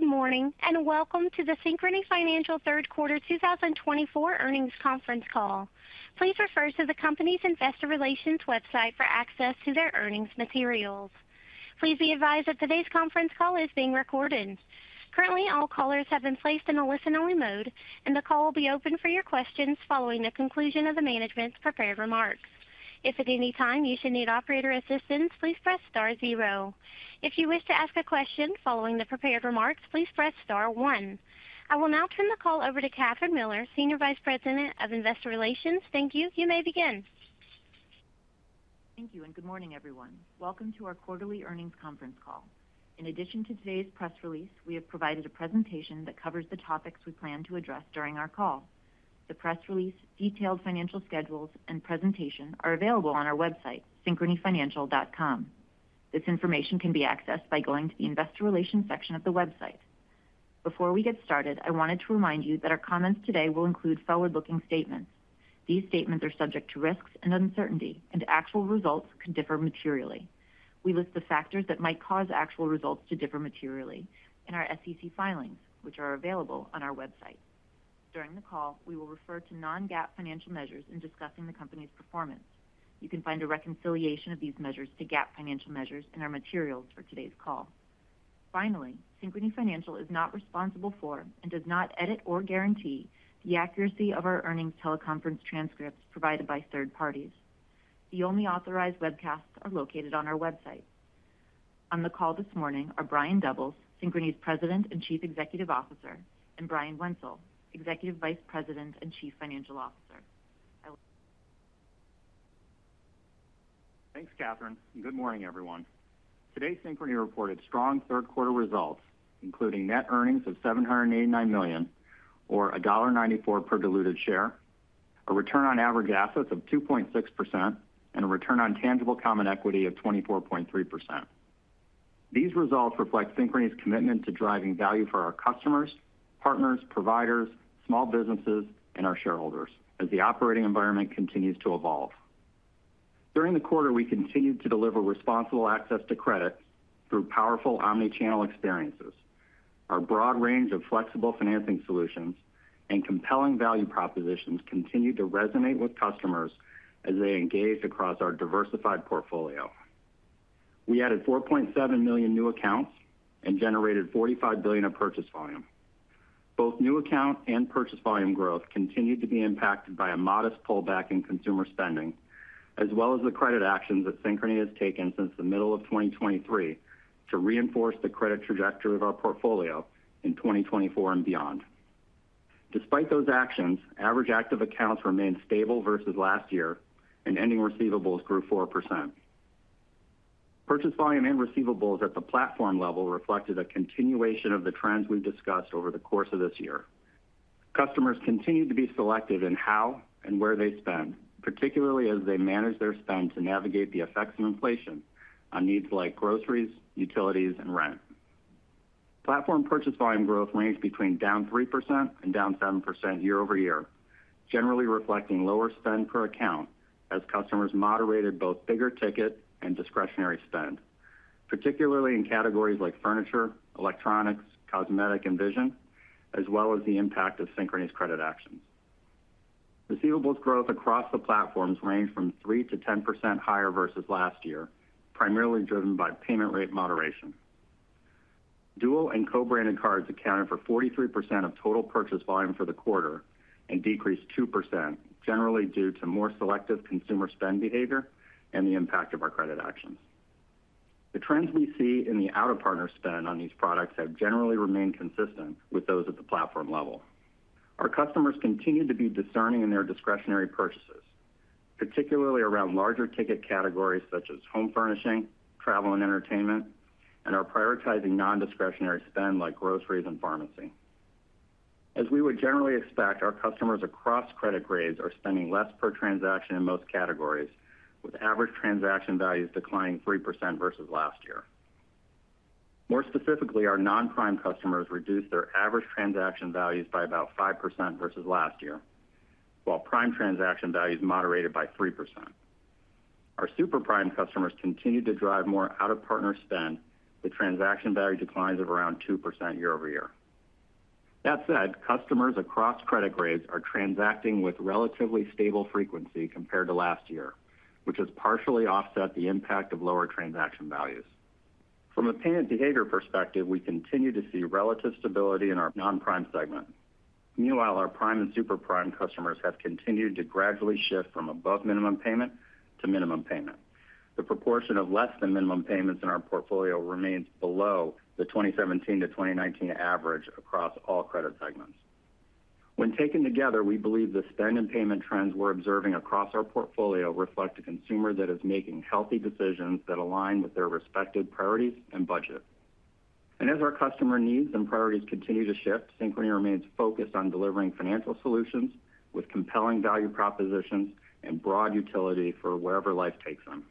Good morning, and welcome to the Synchrony Financial third quarter 2024 earnings conference call. Please refer to the company's investor relations website for access to their earnings materials. Please be advised that today's conference call is being recorded. Currently, all callers have been placed in a listen-only mode, and the call will be open for your questions following the conclusion of the management's prepared remarks. If at any time you should need operator assistance, please press star zero. If you wish to ask a question following the prepared remarks, please press star one. I will now turn the call over to Katherine Miller, Senior Vice President of Investor Relations. Thank you. You may begin. Thank you, and good morning, everyone. Welcome to our quarterly earnings conference call. In addition to today's press release, we have provided a presentation that covers the topics we plan to address during our call. The press release, detailed financial schedules, and presentation are available on our website, synchronyfinancial.com. This information can be accessed by going to the Investor Relations section of the website. Before we get started, I wanted to remind you that our comments today will include forward-looking statements. These statements are subject to risks and uncertainty, and actual results could differ materially. We list the factors that might cause actual results to differ materially in our SEC filings, which are available on our website. During the call, we will refer to non-GAAP financial measures in discussing the company's performance. You can find a reconciliation of these measures to GAAP financial measures in our materials for today's call. Finally, Synchrony Financial is not responsible for and does not edit or guarantee the accuracy of our earnings teleconference transcripts provided by third parties. The only authorized webcasts are located on our website. On the call this morning are Brian Doubles, Synchrony's President and Chief Executive Officer, and Brian Wenzel, Executive Vice President and Chief Financial Officer. I will... Thanks, Katherine, and good morning, everyone. Today, Synchrony reported strong third quarter results, including net earnings of $789 million, or $1.94 per diluted share, a return on average assets of 2.6%, and a return on tangible common equity of 24.3%. These results reflect Synchrony's commitment to driving value for our customers, partners, providers, small businesses, and our shareholders as the operating environment continues to evolve. During the quarter, we continued to deliver responsible access to credit through powerful omni-channel experiences. Our broad range of flexible financing solutions and compelling value propositions continued to resonate with customers as they engaged across our diversified portfolio. We added 4.7 million new accounts and generated $45 billion of purchase volume. Both new account and purchase volume growth continued to be impacted by a modest pullback in consumer spending, as well as the credit actions that Synchrony has taken since the middle of 2023 to reinforce the credit trajectory of our portfolio in 2024 and beyond. Despite those actions, average active accounts remained stable versus last year, and ending receivables grew 4%. Purchase volume and receivables at the platform level reflected a continuation of the trends we've discussed over the course of this year. Customers continued to be selective in how and where they spend, particularly as they manage their spend to navigate the effects of inflation on needs like groceries, utilities, and rent. Platform purchase volume growth ranged between down 3% and down 7% year over year, generally reflecting lower spend per account as customers moderated both bigger ticket and discretionary spend, particularly in categories like furniture, electronics, cosmetic, and vision, as well as the impact of Synchrony's credit actions. Receivables growth across the platforms ranged from 3% to 10% higher versus last year, primarily driven by payment rate moderation. Dual and co-branded cards accounted for 43% of total purchase volume for the quarter and decreased 2%, generally due to more selective consumer spend behavior and the impact of our credit actions. The trends we see in the out-of-partner spend on these products have generally remained consistent with those at the platform level. Our customers continue to be discerning in their discretionary purchases, particularly around larger ticket categories such as home furnishing, travel, and entertainment, and are prioritizing non-discretionary spend like groceries and pharmacy. As we would generally expect, our customers across credit grades are spending less per transaction in most categories, with average transaction values declining 3% versus last year. More specifically, our non-prime customers reduced their average transaction values by about 5% versus last year, while prime transaction values moderated by 3%. Our super prime customers continued to drive more out-of-partner spend, with transaction value declines of around 2% year over year. That said, customers across credit grades are transacting with relatively stable frequency compared to last year, which has partially offset the impact of lower transaction values. From a payment behavior perspective, we continue to see relative stability in our non-prime segment. Meanwhile, our prime and super prime customers have continued to gradually shift from above minimum payment to minimum payment. The proportion of less than minimum payments in our portfolio remains below the 2017-2019 average across all credit segments. When taken together, we believe the spend and payment trends we're observing across our portfolio reflect a consumer that is making healthy decisions that align with their respective priorities and budget. And as our customer needs and priorities continue to shift, Synchrony remains focused on delivering financial solutions with compelling value propositions and broad utility for wherever life takes them.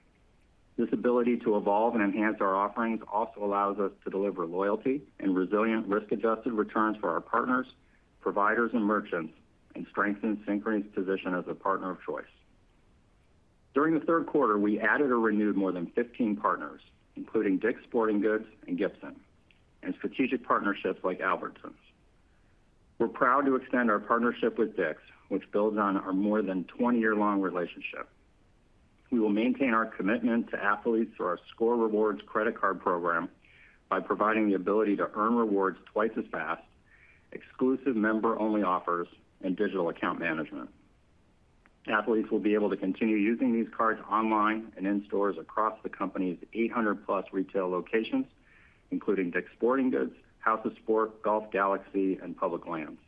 This ability to evolve and enhance our offerings also allows us to deliver loyalty and resilient risk-adjusted returns for our partners, providers, and merchants, and strengthen Synchrony's position as a partner of choice... During the third quarter, we added or renewed more than 15 partners, including Dick's Sporting Goods and Gibson, and strategic partnerships like Albertsons. We're proud to extend our partnership with Dick's, which builds on our more than 20-year-long relationship. We will maintain our commitment to athletes through our ScoreRewards credit card program by providing the ability to earn rewards twice as fast, exclusive member-only offers, and digital account management. Athletes will be able to continue using these cards online and in stores across the company's 800+ retail locations, including Dick's Sporting Goods, House of Sport, Golf Galaxy, and Public Lands.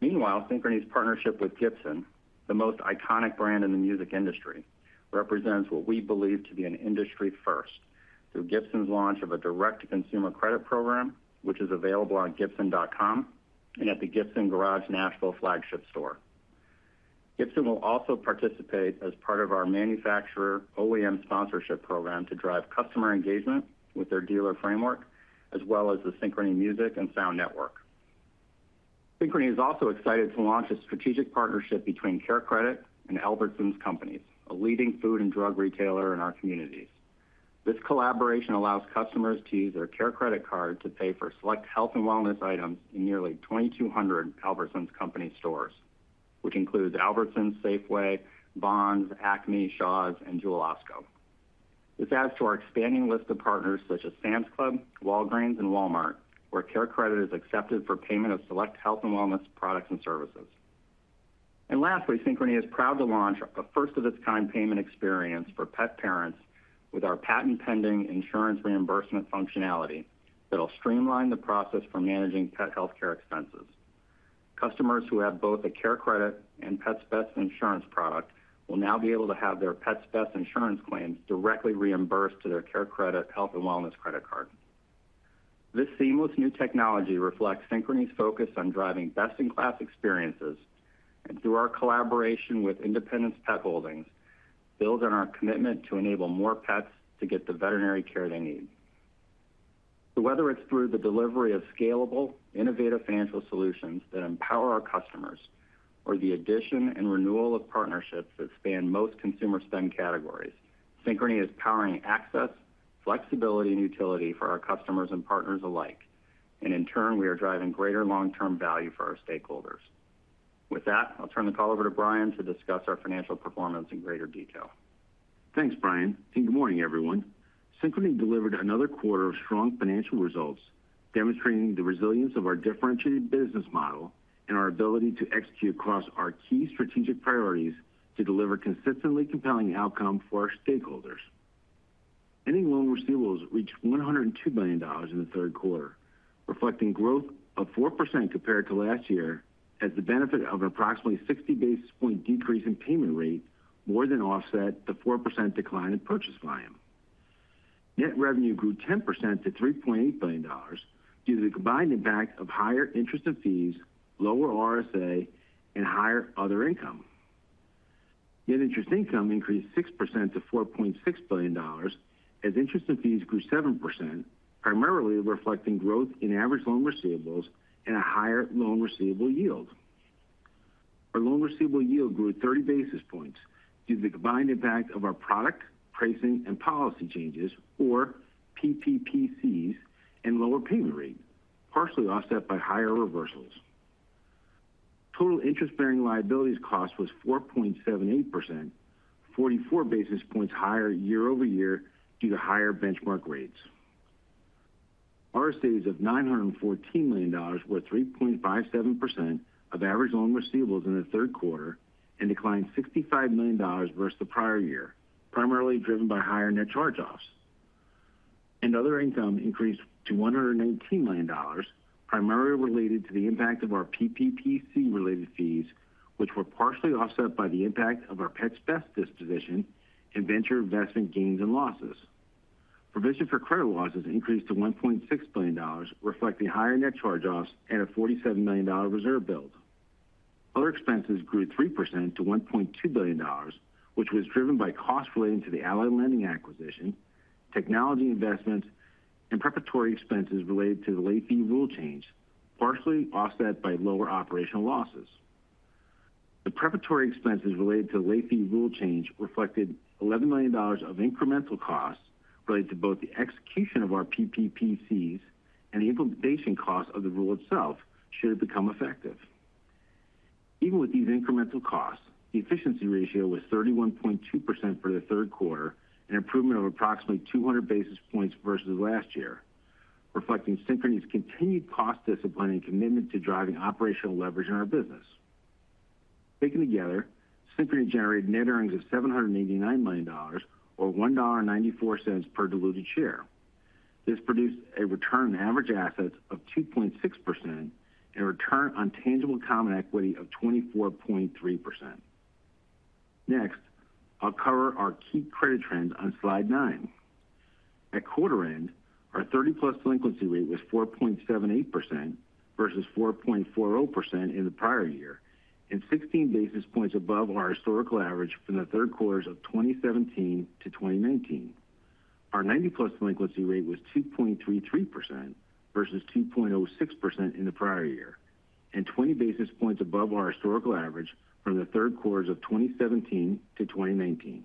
Meanwhile, Synchrony's partnership with Gibson, the most iconic brand in the music industry, represents what we believe to be an industry first, through Gibson's launch of a direct-to-consumer credit program, which is available on gibson.com and at the Gibson Garage Nashville flagship store. Gibson will also participate as part of our manufacturer OEM sponsorship program to drive customer engagement with their dealer framework, as well as the Synchrony Music and Sound Network. Synchrony is also excited to launch a strategic partnership between CareCredit and Albertsons Companies, a leading food and drug retailer in our communities. This collaboration allows customers to use their CareCredit card to pay for select health and wellness items in nearly 2,200 Albertsons Companies stores, which includes Albertsons, Safeway, Vons, Acme, Shaw's, and Jewel-Osco. This adds to our expanding list of partners such as Sam's Club, Walgreens, and Walmart, where CareCredit is accepted for payment of select health and wellness products and services. And lastly, Synchrony is proud to launch a first-of-its-kind payment experience for pet parents with our patent-pending insurance reimbursement functionality, that'll streamline the process for managing pet healthcare expenses. Customers who have both a CareCredit and Pets Best Insurance product will now be able to have their Pets Best Insurance claims directly reimbursed to their CareCredit health and wellness credit card. This seamless new technology reflects Synchrony's focus on driving best-in-class experiences, and through our collaboration with Independence Pet Holdings, builds on our commitment to enable more pets to get the veterinary care they need. So whether it's through the delivery of scalable, innovative financial solutions that empower our customers, or the addition and renewal of partnerships that span most consumer spend categories, Synchrony is powering access, flexibility, and utility for our customers and partners alike, and in turn, we are driving greater long-term value for our stakeholders. With that, I'll turn the call over to Brian to discuss our financial performance in greater detail. Thanks, Brian, and good morning, everyone. Synchrony delivered another quarter of strong financial results, demonstrating the resilience of our differentiated business model and our ability to execute across our key strategic priorities to deliver consistently compelling outcome for our stakeholders. Ending loan receivables reached $102 billion in the third quarter, reflecting growth of 4% compared to last year, as the benefit of an approximately 60 basis points decrease in payment rate more than offset the 4% decline in purchase volume. Net revenue grew 10% to $3.8 billion due to the combined impact of higher interest and fees, lower RSA, and higher other income. Net interest income increased 6% to $4.6 billion, as interest and fees grew 7%, primarily reflecting growth in average loan receivables and a higher loan receivable yield. Our loan receivable yield grew 30 basis points due to the combined impact of our product, pricing, and policy changes, or PPCs, and lower payment rate, partially offset by higher reversals. Total interest-bearing liabilities cost was 4.78%, 44 basis points higher year over year due to higher benchmark rates. RSAs of $914 million, or 3.57% of average loan receivables in the third quarter, and declined $65 million versus the prior year, primarily driven by higher net charge-offs. And other income increased to $119 million, primarily related to the impact of our PPC-related fees, which were partially offset by the impact of our Pets Best disposition and venture investment gains and losses. Provision for credit losses increased to $1.6 billion, reflecting higher net charge-offs and a $47 million reserve build. Other expenses grew 3% to $1.2 billion, which was driven by costs relating to the Ally Lending acquisition, technology investment, and preparatory expenses related to the late fee rule change, partially offset by lower operational losses. The preparatory expenses related to the late fee rule change reflected $11 million of incremental costs related to both the execution of our PPCs and the implementation costs of the rule itself should it become effective. Even with these incremental costs, the efficiency ratio was 31.2% for the third quarter, an improvement of approximately 200 basis points versus last year, reflecting Synchrony's continued cost discipline and commitment to driving operational leverage in our business. Taken together, Synchrony generated net earnings of $789 million or $1.94 per diluted share. This produced a return on average assets of 2.6% and a return on tangible common equity of 24.3%. Next, I'll cover our key credit trends on slide 9. At quarter end, our 30-plus delinquency rate was 4.78% versus 4.40% in the prior year, and 16 basis points above our historical average from the third quarters of 2017 to 2019. Our 90-plus delinquency rate was 2.33% versus 2.06% in the prior year, and 20 basis points above our historical average from the third quarters of 2017 to 2019.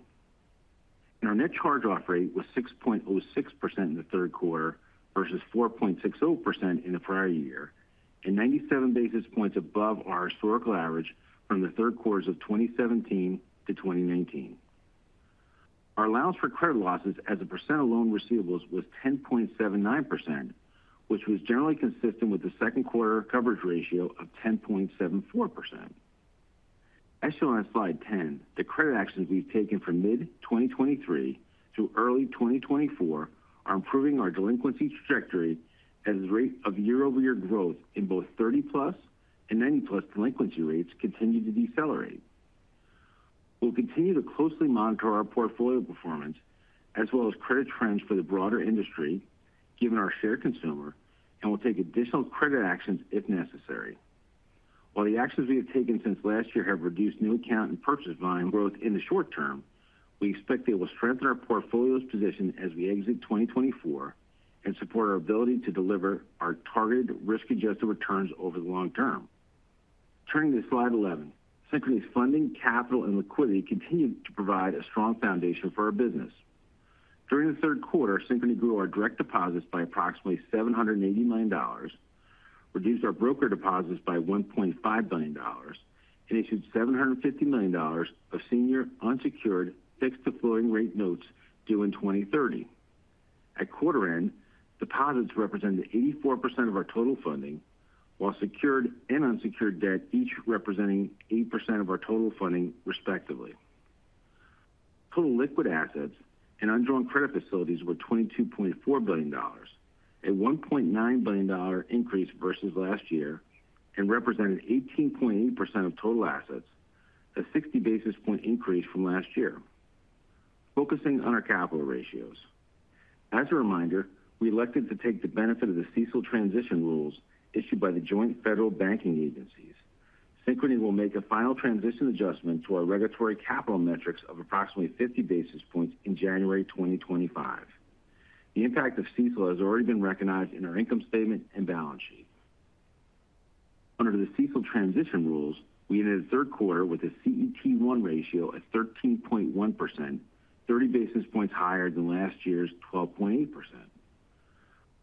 Our net charge-off rate was 6.06% in the third quarter versus 4.60% in the prior year, and 97 basis points above our historical average from the third quarters of 2017 to 2019. Our allowance for credit losses as a percent of loan receivables was 10.79%, which was generally consistent with the second quarter coverage ratio of 10.74%. As shown on slide 10, the credit actions we've taken from mid-2023 to early 2024 are improving our delinquency trajectory as the rate of year-over-year growth in both 30+ and 90+ delinquency rates continue to decelerate. We'll continue to closely monitor our portfolio performance as well as credit trends for the broader industry, given our shared consumer, and we'll take additional credit actions if necessary. While the actions we have taken since last year have reduced new account and purchase volume growth in the short term, we expect they will strengthen our portfolio's position as we exit 2024 and support our ability to deliver our targeted risk-adjusted returns over the long term. Turning to slide 11, Synchrony's funding, capital, and liquidity continue to provide a strong foundation for our business. During the third quarter, Synchrony grew our direct deposits by approximately $780 million, reduced our broker deposits by $1.5 billion, and issued $750 million of senior unsecured fixed-to-floating rate notes due in 2030. At quarter end, deposits represented 84% of our total funding, while secured and unsecured debt each representing 8% of our total funding, respectively. Total liquid assets and undrawn credit facilities were $22.4 billion, a $1.9 billion increase versus last year, and represented 18.8% of total assets, a 60 basis point increase from last year. Focusing on our capital ratios. As a reminder, we elected to take the benefit of the CECL transition rules issued by the Joint Federal Banking Agencies. Synchrony will make a final transition adjustment to our regulatory capital metrics of approximately 50 basis points in January 2025. The impact of CECL has already been recognized in our income statement and balance sheet. Under the CECL transition rules, we ended the third quarter with a CET1 ratio at 13.1%, 30 basis points higher than last year's 12.8%.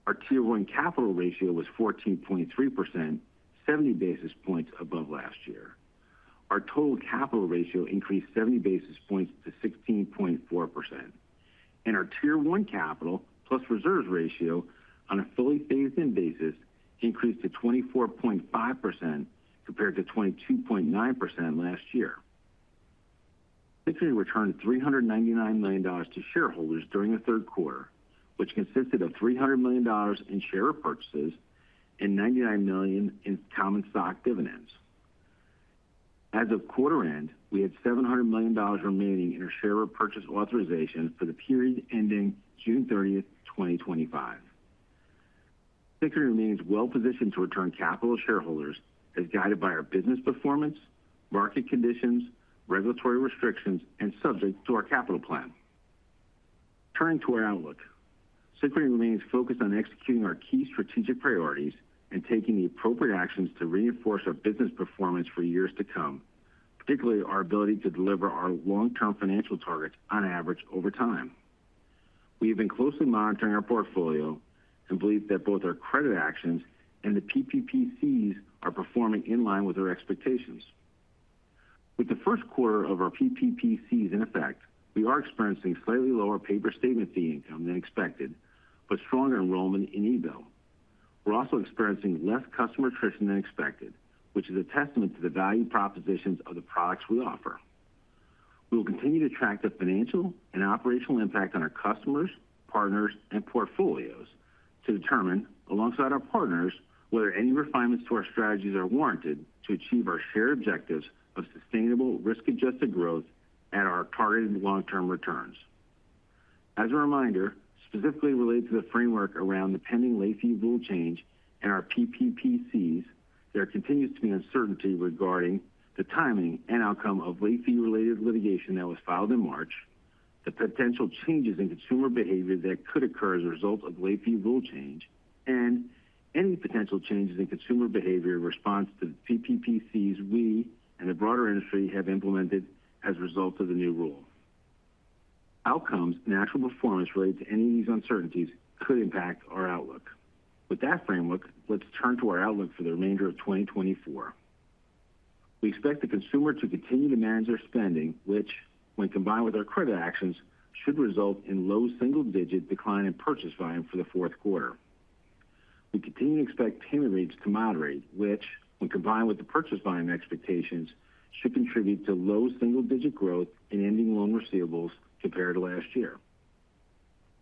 Our Tier 1 capital ratio was 14.3%, 70 basis points above last year. Our total capital ratio increased 70 basis points to 16.4%, and our Tier 1 capital plus reserves ratio on a fully phased-in basis increased to 24.5% compared to 22.9% last year. Synchrony returned $399 million to shareholders during the third quarter, which consisted of $300 million in share purchases and $99 million in common stock dividends. As of quarter end, we had $700 million remaining in our share repurchase authorization for the period ending June thirtieth, twenty twenty-five. Synchrony remains well positioned to return capital to shareholders as guided by our business performance, market conditions, regulatory restrictions, and subject to our capital plan. Turning to our outlook, Synchrony remains focused on executing our key strategic priorities and taking the appropriate actions to reinforce our business performance for years to come, particularly our ability to deliver our long-term financial targets on average over time. We have been closely monitoring our portfolio and believe that both our credit actions and the PPPCs are performing in line with our expectations. With the first quarter of our PPPCs in effect, we are experiencing slightly lower paper statement fee income than expected, but stronger enrollment in eBill. We're also experiencing less customer attrition than expected, which is a testament to the value propositions of the products we offer. We will continue to track the financial and operational impact on our customers, partners, and portfolios to determine, alongside our partners, whether any refinements to our strategies are warranted to achieve our shared objectives of sustainable, risk-adjusted growth at our targeted long-term returns. As a reminder, specifically related to the framework around the pending late fee rule change and our PPPCs, there continues to be uncertainty regarding the timing and outcome of late fee-related litigation that was filed in March, the potential changes in consumer behavior that could occur as a result of late fee rule change, and any potential changes in consumer behavior in response to the PPPCs we and the broader industry have implemented as a result of the new rule. Outcomes and actual performance related to any of these uncertainties could impact our outlook. With that framework, let's turn to our outlook for the remainder of 2024. We expect the consumer to continue to manage their spending, which, when combined with our credit actions, should result in low single-digit decline in purchase volume for the fourth quarter. We continue to expect payment rates to moderate, which, when combined with the purchase volume expectations, should contribute to low single-digit growth in ending loan receivables compared to last year.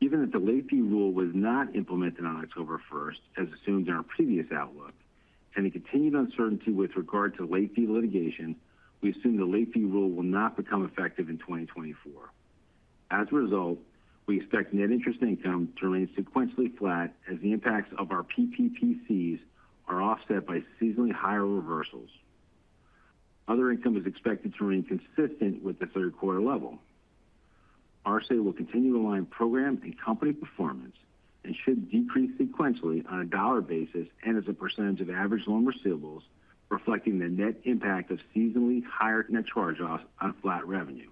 Given that the late fee rule was not implemented on October first, as assumed in our previous outlook, and the continued uncertainty with regard to late fee litigation, we assume the late fee rule will not become effective in 2024. As a result, we expect net interest income to remain sequentially flat as the impacts of our PPPCs are offset by seasonally higher reversals. Other income is expected to remain consistent with the third quarter level. RSA will continue to align program and company performance, and should decrease sequentially on a dollar basis and as a percentage of average loan receivables, reflecting the net impact of seasonally higher net charge-offs on flat revenue.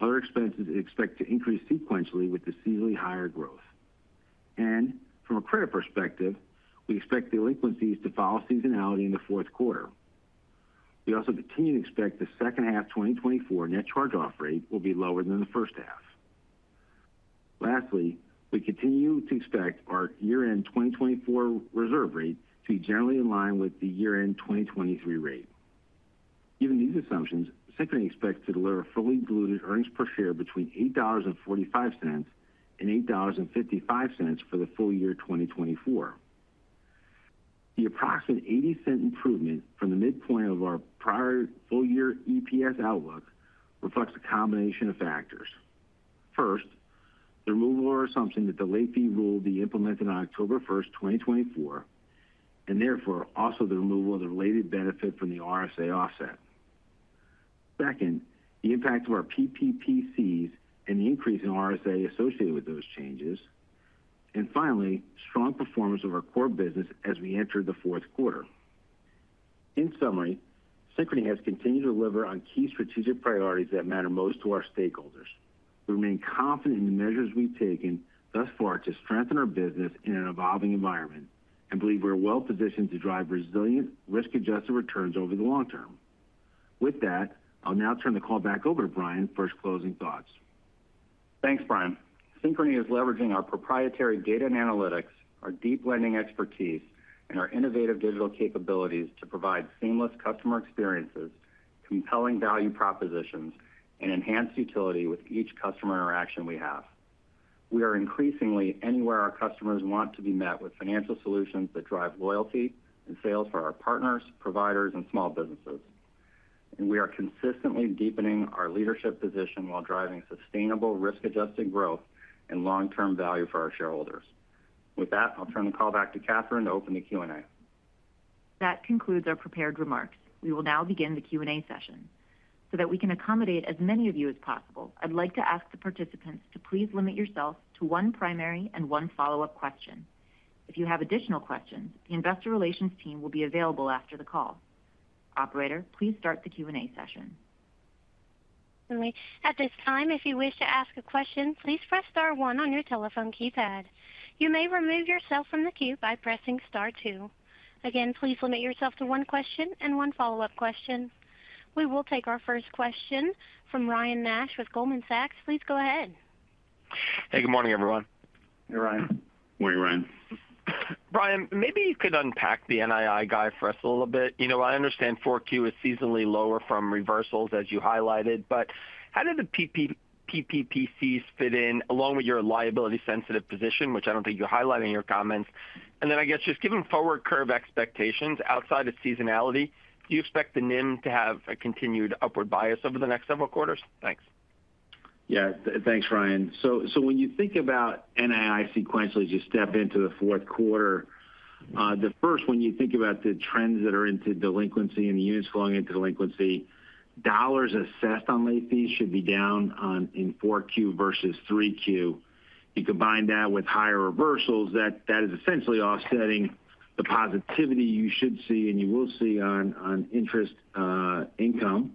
Other expenses are expected to increase sequentially with the seasonally higher growth. And from a credit perspective, we expect delinquencies to follow seasonality in the fourth quarter. We also continue to expect the second half, 2024 net charge-off rate will be lower than the first half. Lastly, we continue to expect our year-end 2024 reserve rate to be generally in line with the year-end 2023 rate. Given these assumptions, Synchrony expects to deliver a fully diluted earnings per share between $8.45 and $8.55 for the full year 2024. The approximate $0.80 improvement from the midpoint of our prior full year EPS outlook reflects a combination of factors. First, the removal or assumption that the late fee rule will be implemented on October 1, 2024, and therefore also the removal of the related benefit from the RSA offset. Second, the impact of our PPPCs and the increase in RSA associated with those changes, and finally, strong performance of our core business as we enter the fourth quarter. In summary, Synchrony has continued to deliver on key strategic priorities that matter most to our stakeholders. We remain confident in the measures we've taken thus far to strengthen our business in an evolving environment, and believe we're well-positioned to drive resilient, risk-adjusted returns over the long term. With that, I'll now turn the call back over to Brian for his closing thoughts. Thanks, Brian. Synchrony is leveraging our proprietary data and analytics, our deep lending expertise, and our innovative digital capabilities to provide seamless customer experiences, compelling value propositions, and enhanced utility with each customer interaction we have. We are increasingly anywhere our customers want to be met with financial solutions that drive loyalty and sales for our partners, providers, and small businesses. We are consistently deepening our leadership position while driving sustainable, risk-adjusted growth and long-term value for our shareholders. With that, I'll turn the call back to Katherine to open the Q&A. That concludes our prepared remarks. We will now begin the Q&A session. So that we can accommodate as many of you as possible, I'd like to ask the participants to please limit yourself to one primary and one follow-up question. If you have additional questions, the investor relations team will be available after the call. Operator, please start the Q&A session. At this time, if you wish to ask a question, please press star one on your telephone keypad. You may remove yourself from the queue by pressing star two. Again, please limit yourself to one question and one follow-up question. We will take our first question from Ryan Nash with Goldman Sachs. Please go ahead. Hey, good morning, everyone. Hey, Ryan. Morning, Ryan. Brian, maybe you could unpack the NII guide for us a little bit. You know, I understand Q4 is seasonally lower from reversals, as you highlighted, but how did the PP, PPPCs fit in, along with your liability-sensitive position, which I don't think you highlighted in your comments? And then, I guess, just given forward curve expectations outside of seasonality, do you expect the NIM to have a continued upward bias over the next several quarters? Thanks. Yeah. Thanks, Ryan. So when you think about NII sequentially, as you step into the fourth quarter, first, when you think about the trends that are into delinquency and units flowing into delinquency, dollars assessed on late fees should be down in Q4 versus Q3. You combine that with higher reversals, that is essentially offsetting the positivity you should see and you will see on interest income,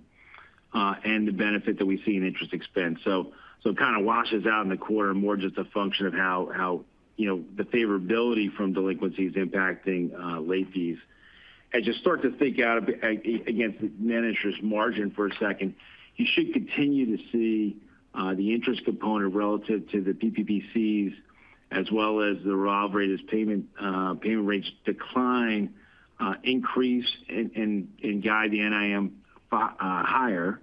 and the benefit that we see in interest expense. So it kind of washes out in the quarter, more just a function of how you know the favorability from delinquency is impacting late fees. As you start to think out a bit against net interest margin for a second, you should continue to see the interest component relative to the PPPCs, as well as the raw rate as payment rates decline increase and guide the NIM higher.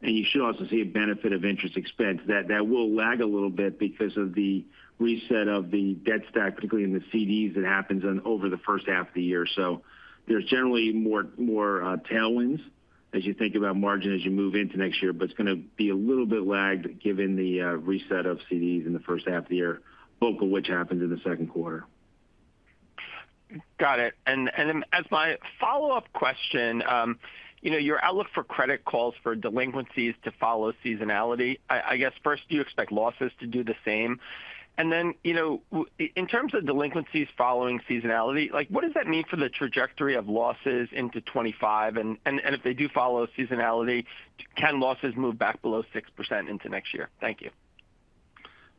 You should also see a benefit of interest expense. That will lag a little bit because of the reset of the debt stack, particularly in the CDs, that happens over the first half of the year. So there's generally more tailwinds as you think about margin as you move into next year, but it's going to be a little bit lagged given the reset of CDs in the first half of the year, bulk of which happens in the second quarter. Got it. And as my follow-up question, you know, your outlook for credit calls for delinquencies to follow seasonality. I guess first, do you expect losses to do the same? And then, you know, in terms of delinquencies following seasonality, like, what does that mean for the trajectory of losses into 2025? And if they do follow seasonality, can losses move back below 6% into next year? Thank you.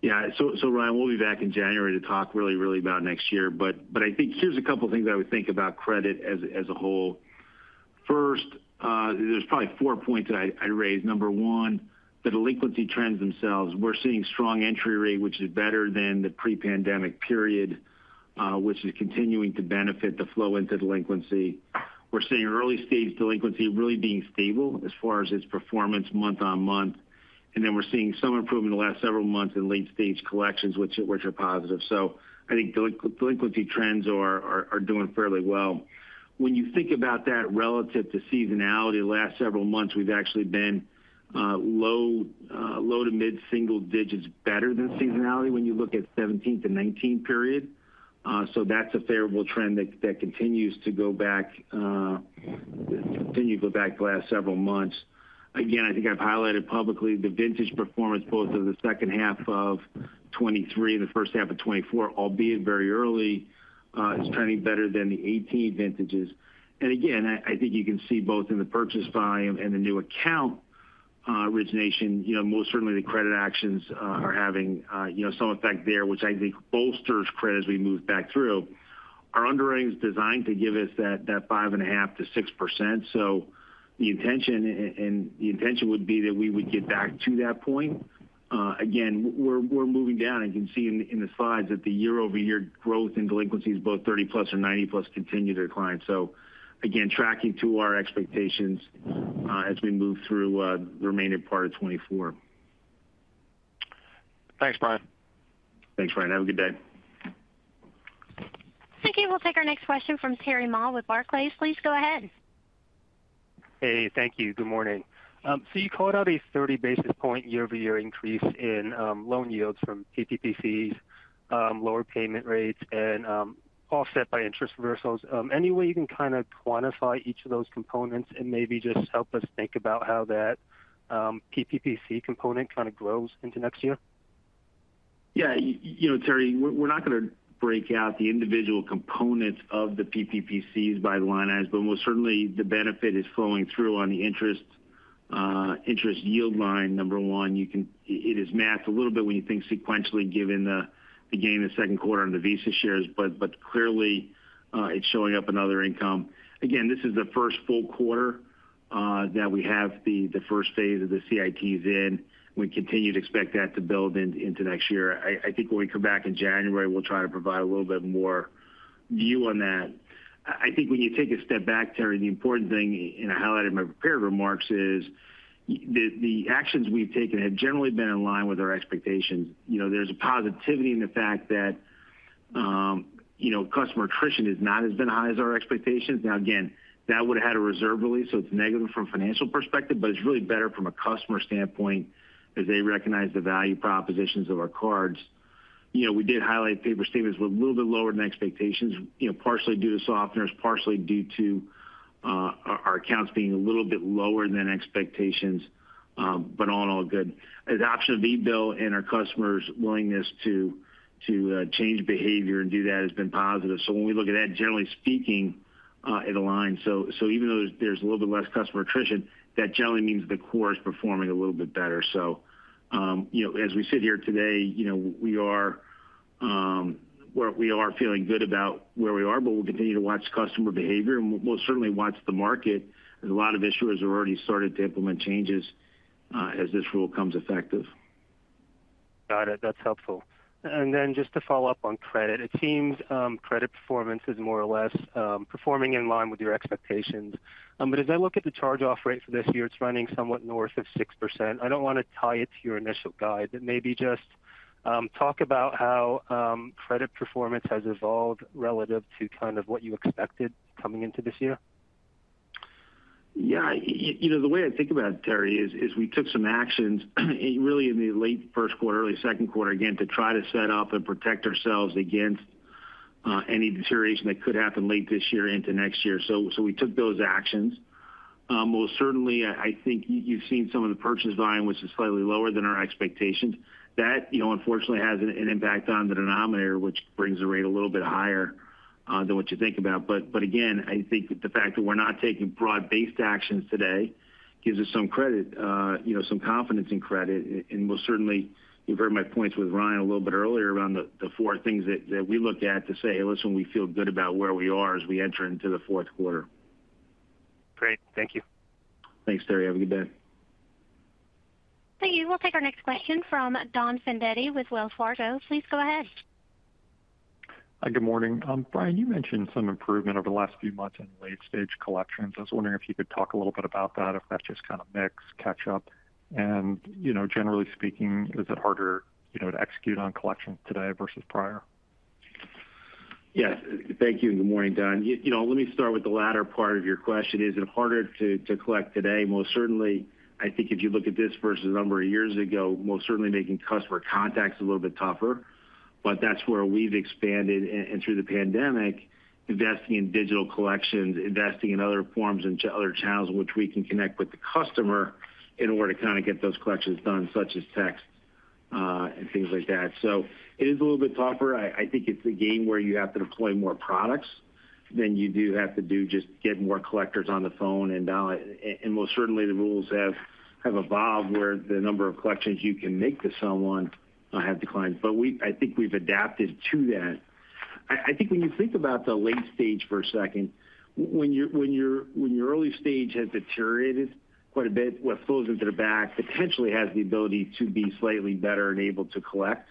Yeah, so Ryan, we'll be back in January to talk really, really about next year. But I think here's a couple things I would think about credit as a whole. First, there's probably four points that I'd raise. Number one, the delinquency trends themselves. We're seeing strong entry rate, which is better than the pre-pandemic period, which is continuing to benefit the flow into delinquency. We're seeing early-stage delinquency really being stable as far as its performance month on month. And then we're seeing some improvement in the last several months in late-stage collections, which are positive. So I think delinquency trends are doing fairly well. When you think about that relative to seasonality, the last several months, we've actually been low to mid single digits, better than seasonality when you look at 2017 to 2019 period. So that's a favorable trend that continues to go back the last several months. Again, I think I've highlighted publicly the vintage performance both of the second half of 2023 and the first half of 2024, albeit very early, is trending better than the 18 vintages. And again, I think you can see both in the purchase volume and the new account origination, you know, most certainly the credit actions are having, you know, some effect there, which I think bolsters credit as we move back through. Our underwriting is designed to give us that 5.5%-6%. So the intention and the intention would be that we would get back to that point. Again, we're moving down. You can see in the slides that the year-over-year growth in delinquencies, both 30-plus and 90-plus, continue to decline. So again, tracking to our expectations, as we move through the remaining part of 2024. Thanks, Brian. Thanks, Ryan. Have a good day. Thank you. We'll take our next question from Terry Ma with Barclays. Please go ahead. Hey, thank you. Good morning, so you called out a 30 basis point year-over-year increase in loan yields from PPPCs, lower payment rates and offset by interest reversals. Any way you can kind of quantify each of those components and maybe just help us think about how that PPPC component kind of grows into next year? Yeah, you know, Terry, we're not going to break out the individual components of the PPPCs by the line items, but most certainly the benefit is flowing through on the interest, interest yield line, number one. You can. It is masked a little bit when you think sequentially, given the gain in the second quarter on the Visa shares, but clearly, it's showing up in other income. Again, this is the first full quarter that we have the first phase of the CITs in. We continue to expect that to build into next year. I think when we come back in January, we'll try to provide a little bit more view on that. I think when you take a step back, Terry, the important thing, and I highlighted in my prepared remarks, is the actions we've taken have generally been in line with our expectations. You know, there's a positivity in the fact that, you know, customer attrition has not been as high as our expectations. Now, again, that would have had a reserve release, so it's negative from a financial perspective, but it's really better from a customer standpoint as they recognize the value propositions of our cards. You know, we did highlight paper statements were a little bit lower than expectations, you know, partially due to softeners, partially due to our accounts being a little bit lower than expectations, but all in all, good. Adoption of eBill and our customers' willingness to change behavior and do that has been positive. So when we look at that, generally speaking, it aligns. So even though there's a little bit less customer attrition, that generally means the core is performing a little bit better. So, you know, as we sit here today, you know, we are feeling good about where we are, but we'll continue to watch customer behavior and we'll certainly watch the market, as a lot of issuers have already started to implement changes, as this rule becomes effective. Got it. That's helpful. And then just to follow up on credit, it seems, credit performance is more or less performing in line with your expectations. But as I look at the charge-off rate for this year, it's running somewhat north of 6%. I don't want to tie it to your initial guide, but maybe just talk about how credit performance has evolved relative to kind of what you expected coming into this year. Yeah, you know, the way I think about it, Terry, is we took some actions, really in the late first quarter, early second quarter, again, to try to set up and protect ourselves against any deterioration that could happen late this year into next year. So we took those actions. Most certainly, I think you've seen some of the purchase volume, which is slightly lower than our expectations. That, you know, unfortunately, has an impact on the denominator, which brings the rate a little bit higher than what you think about. But again, I think the fact that we're not taking broad-based actions today gives us some credit, you know, some confidence in credit. And most certainly, you've heard my points with Ryan a little bit earlier around the four things that we looked at to say, "Listen, we feel good about where we are as we enter into the fourth quarter. Great. Thank you. Thanks, Terry. Have a good day. Thank you. We'll take our next question from Don Fandetti with Wells Fargo. Please go ahead. Hi, good morning. Brian, you mentioned some improvement over the last few months in late stage collections. I was wondering if you could talk a little bit about that, if that's just kind of mix, catch up, and you know, generally speaking, is it harder, you know, to execute on collections today versus prior? Yes. Thank you, and good morning, Don. You know, let me start with the latter part of your question: Is it harder to collect today? Most certainly. I think if you look at this versus a number of years ago, most certainly making customer contacts a little bit tougher, but that's where we've expanded and through the pandemic, investing in digital collections, investing in other forms and other channels, which we can connect with the customer in order to kind of get those collections done, such as text, and things like that. So it is a little bit tougher. I think it's a game where you have to deploy more products than you do have to do, just get more collectors on the phone and dial. And most certainly, the rules have evolved, where the number of collections you can make to someone have declined, but I think we've adapted to that. I think when you think about the late stage for a second, when your early stage has deteriorated quite a bit, what flows into the back potentially has the ability to be slightly better and able to collect.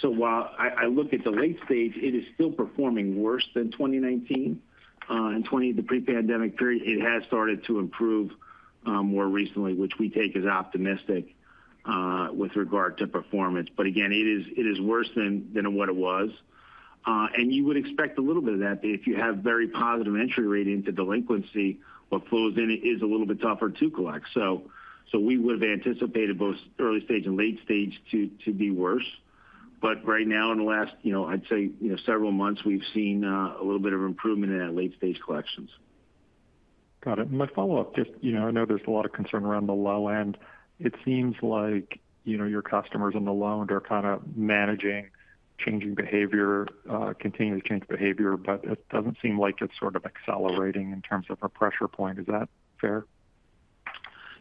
So while I look at the late stage, it is still performing worse than twenty nineteen and the pre-pandemic period, it has started to improve more recently, which we take as optimistic with regard to performance. But again, it is worse than what it was. And you would expect a little bit of that if you have very positive entry rate into delinquency. What flows in it is a little bit tougher to collect. So we would have anticipated both early stage and late stage to be worse. But right now, in the last, you know, I'd say, you know, several months, we've seen a little bit of improvement in that late-stage collections. Got it. My follow-up, just, you know, I know there's a lot of concern around the low end. It seems like, you know, your customers on the low end are kind of managing changing behavior, continuing to change behavior, but it doesn't seem like it's sort of accelerating in terms of a pressure point. Is that fair?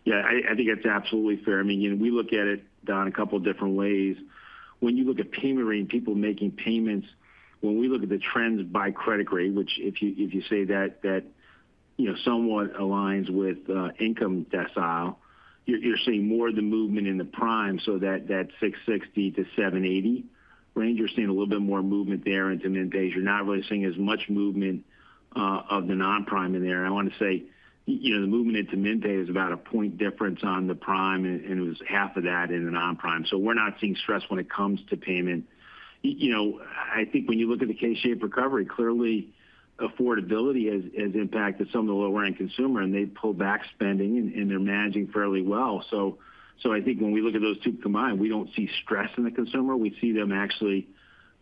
Yeah, I think it's absolutely fair. I mean, you know, we look at it, Don, a couple different ways. When you look at payment rate and people making payments, when we look at the trends by credit grade, which if you say that that you know somewhat aligns with income decile, you're seeing more of the movement in the prime, so that 660-780 range, you're seeing a little bit more movement there into mandates. You're not really seeing as much movement of the non-prime in there. I want to say you know the movement into mandate is about a point difference on the prime, and it was half of that in the non-prime. So we're not seeing stress when it comes to payment. You know, I think when you look at the K-shaped recovery, clearly affordability has impacted some of the lower-end consumer, and they've pulled back spending, and they're managing fairly well. So I think when we look at those two combined, we don't see stress in the consumer. We see them actually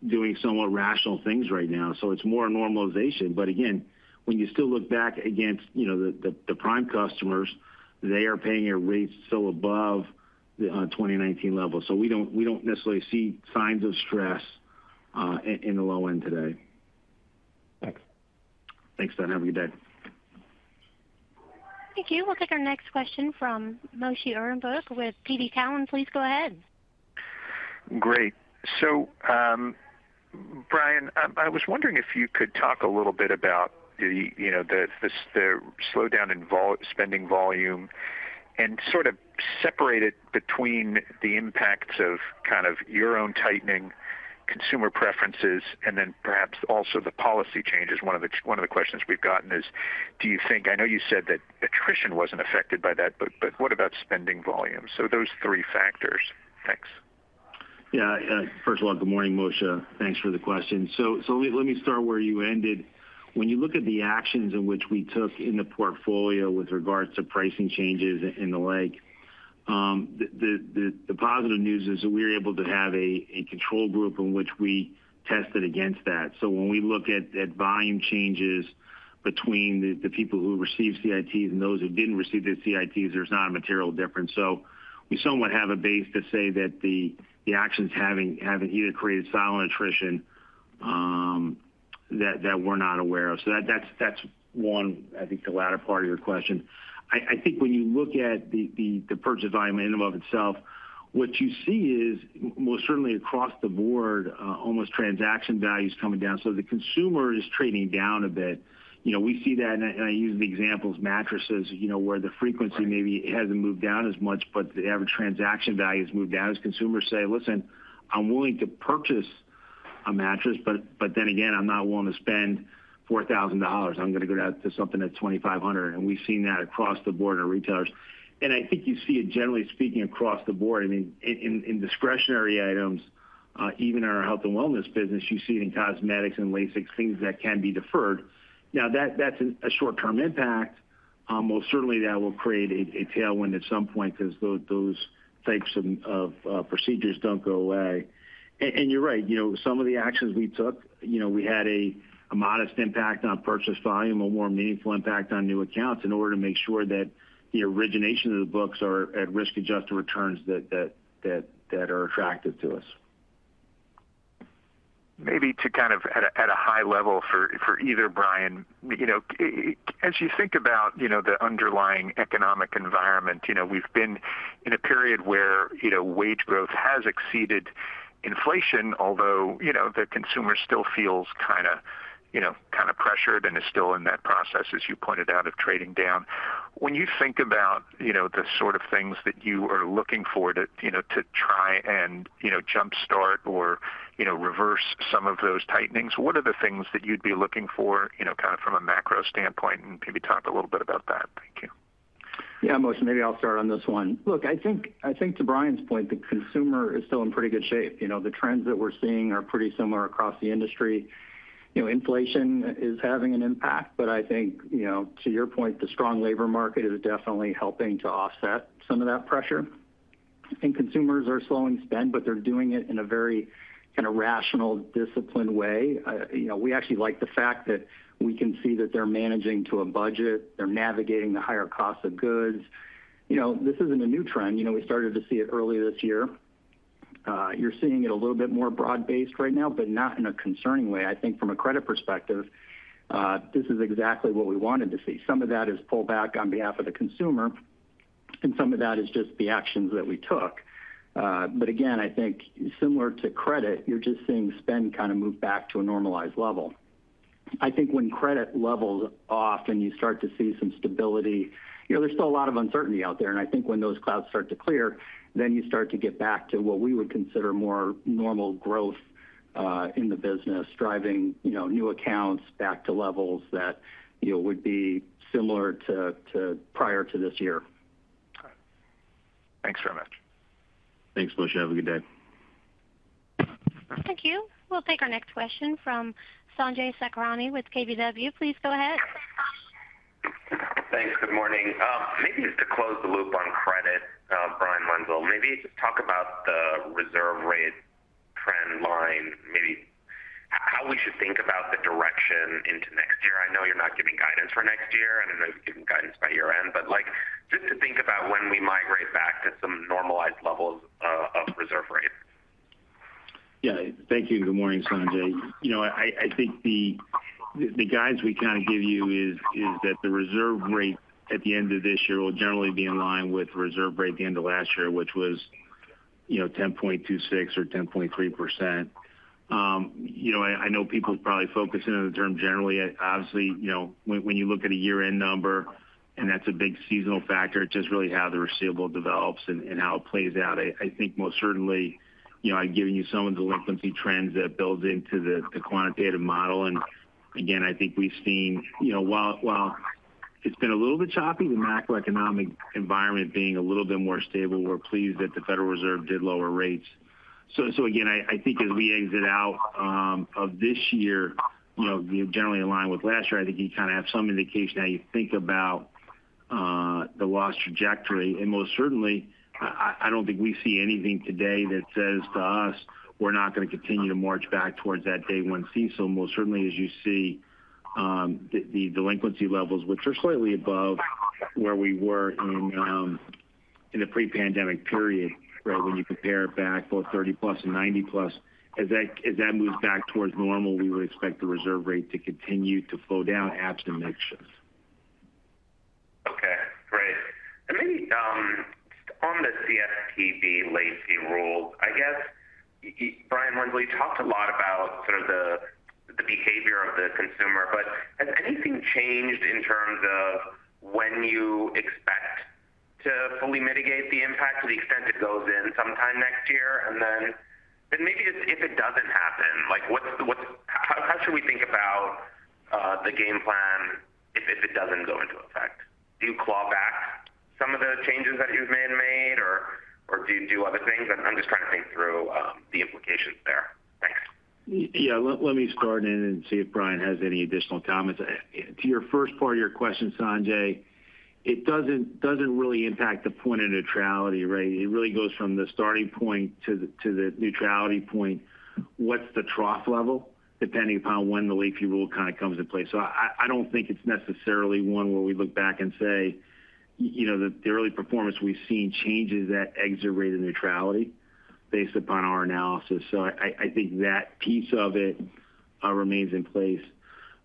doing somewhat rational things right now. So it's more a normalization. But again, when you still look back against, you know, the prime customers, they are paying at rates still above the 2019 levels. So we don't necessarily see signs of stress in the low end today. Thanks. Thanks, Don. Have a good day. Thank you. We'll take our next question from Moshe Orenbuch with TD Cowen. Please go ahead. Great. So, Brian, I was wondering if you could talk a little bit about the, you know, the slowdown in spending volume, and sort of separate it between the impacts of kind of your own tightening consumer preferences, and then perhaps also the policy changes. One of the questions we've gotten is, do you think... I know you said that attrition wasn't affected by that, but what about spending volumes? So those three factors. Thanks. Yeah. First of all, good morning, Moshe. Thanks for the question. So let me start where you ended. When you look at the actions in which we took in the portfolio with regards to pricing changes and the like, the positive news is that we were able to have a control group in which we tested against that. So when we look at volume changes between the people who received CITs and those who didn't receive the CITs, there's not a material difference. So we somewhat have a base to say that the actions haven't either created silent attrition that we're not aware of. So that's one, I think, the latter part of your question. I think when you look at the purchase volume in and of itself, what you see is most certainly across the board average transaction values coming down. So the consumer is trading down a bit. You know, we see that, and I use the example of mattresses, you know, where the frequency-... maybe hasn't moved down as much, but the average transaction value has moved down as consumers say: "Listen, I'm willing to purchase a mattress, but then again, I'm not willing to spend $4,000. I'm going to go down to something that's $2,500," and we've seen that across the board in our retailers, and I think you see it, generally speaking, across the board. I mean, in discretionary items, even in our health and wellness business, you see it in cosmetics and LASIK, things that can be deferred. Now, that's a short-term impact. Most certainly, that will create a tailwind at some point because those types of procedures don't go away. And you're right, you know, some of the actions we took, you know, we had a modest impact on purchase volume, a more meaningful impact on new accounts, in order to make sure that the origination of the books are at risk-adjusted returns that are attractive to us. Maybe to kind of at a high level for either Brian, you know, as you think about, you know, the underlying economic environment, you know, we've been in a period where, you know, wage growth has exceeded inflation, although, you know, the consumer still feels kind of, you know, kind of pressured and is still in that process, as you pointed out, of trading down. When you think about, you know, the sort of things that you are looking for to, you know, to try and, you know, jumpstart or, you know, reverse some of those tightenings, what are the things that you'd be looking for, you know, kind of from a macro standpoint, and maybe talk a little bit about that? Thank you. Yeah, Moshe, maybe I'll start on this one. Look, I think, I think to Brian's point, the consumer is still in pretty good shape. You know, the trends that we're seeing are pretty similar across the industry. You know, inflation is having an impact, but I think, you know, to your point, the strong labor market is definitely helping to offset some of that pressure. I think consumers are slowing spend, but they're doing it in a very kind of rational, disciplined way. You know, we actually like the fact that we can see that they're managing to a budget. They're navigating the higher cost of goods. You know, this isn't a new trend. You know, we started to see it earlier this year. You're seeing it a little bit more broad-based right now, but not in a concerning way. I think from a credit perspective, this is exactly what we wanted to see. Some of that is pullback on behalf of the consumer, and some of that is just the actions that we took, but again, I think similar to credit, you're just seeing spend kind of move back to a normalized level. I think when credit levels off, and you start to see some stability, you know, there's still a lot of uncertainty out there, and I think when those clouds start to clear, then you start to get back to what we would consider more normal growth in the business, driving, you know, new accounts back to levels that, you know, would be similar to prior to this year. Got it. Thanks very much. Thanks, Moshe. Have a good day. Thank you. We'll take our next question from Sanjay Sakhrani with KBW. Please go ahead. ... Thanks. Good morning. Maybe just to close the loop on credit, Brian Wenzel, maybe just talk about the reserve rate trend line, maybe how we should think about the direction into next year. I know you're not giving guidance for next year, I don't know if you're giving guidance by year-end, but, like, just to think about when we migrate back to some normalized levels of reserve rate. Yeah. Thank you, and good morning, Sanjay. You know, I think the guidance we kind of give you is that the reserve rate at the end of this year will generally be in line with reserve rate at the end of last year, which was, you know, 10.26% or 10.3%. You know, I know people probably focus in on the term generally. Obviously, you know, when you look at a year-end number, and that's a big seasonal factor, it's just really how the receivable develops and how it plays out. I think most certainly, you know, I've given you some of the delinquency trends that builds into the quantitative model. And again, I think we've seen, you know, while it's been a little bit choppy, the macroeconomic environment being a little bit more stable. We're pleased that the Federal Reserve did lower rates. So again, I think as we exit out of this year, you know, generally in line with last year, I think you kind of have some indication how you think about the loss trajectory. And most certainly, I don't think we see anything today that says to us, we're not going to continue to march back towards that day one CECL. Most certainly, as you see, the delinquency levels, which are slightly above where we were in the pre-pandemic period, right? When you compare it back, both thirty-plus and ninety-plus. As that moves back toward normal, we would expect the reserve rate to continue to flow down absent mix shifts. Okay, great. And maybe on the CFPB late fee rule, I guess Brian Doubles, you talked a lot about sort of the behavior of the consumer, but has anything changed in terms of when you expect to fully mitigate the impact to the extent it goes in sometime next year? And then maybe just if it doesn't happen, like, what's the, what's how should we think about the game plan if it doesn't go into effect? Do you claw back some of the changes that you've made, or do you do other things? I'm just trying to think through the implications there. Thanks. Yeah. Let me start in and see if Brian has any additional comments. To your first part of your question, Sanjay, it doesn't really impact the point of neutrality, right? It really goes from the starting point to the neutrality point. What's the trough level? Depending upon when the late fee rule kind of comes in place. So I don't think it's necessarily one where we look back and say, you know, the early performance we've seen changes that exit rate of neutrality based upon our analysis. So I think that piece of it remains in place.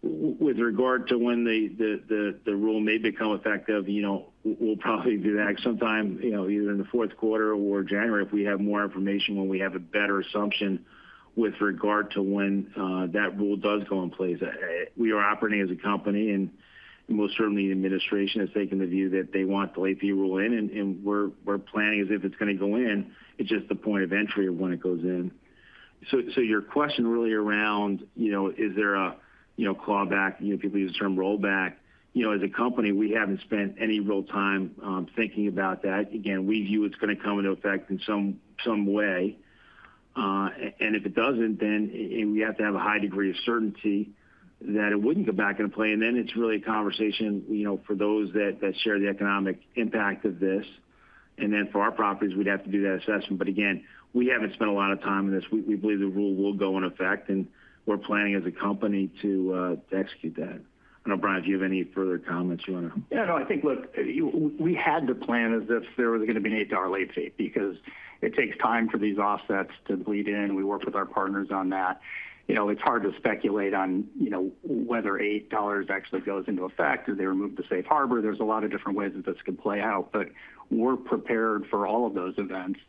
With regard to when the rule may become effective, you know, we'll probably do that sometime, you know, either in the fourth quarter or January if we have more information, when we have a better assumption with regard to when that rule does go in place. We are operating as a company, and most certainly the administration has taken the view that they want the late fee rule in, and we're planning as if it's going to go in. It's just the point of entry of when it goes in. So, your question really around, you know, is there a, you know, clawback, you know, people use the term rollback. You know, as a company, we haven't spent any real time thinking about that. Again, we view it's going to come into effect in some way. And if it doesn't, then, and we have to have a high degree of certainty that it wouldn't go back into play. Then it's really a conversation, you know, for those that share the economic impact of this. Then for our properties, we'd have to do that assessment. But again, we haven't spent a lot of time on this. We believe the rule will go into effect, and we're planning as a company to execute that. I don't know, Brian. Do you have any further comments you want to? Yeah. No, I think, look, we had to plan as if there was going to be a $8 late fee because it takes time for these offsets to bleed in. We worked with our partners on that. You know, it's hard to speculate on, you know, whether $8 actually goes into effect or they remove the safe harbor. There's a lot of different ways that this could play out, but we're prepared for all of those events.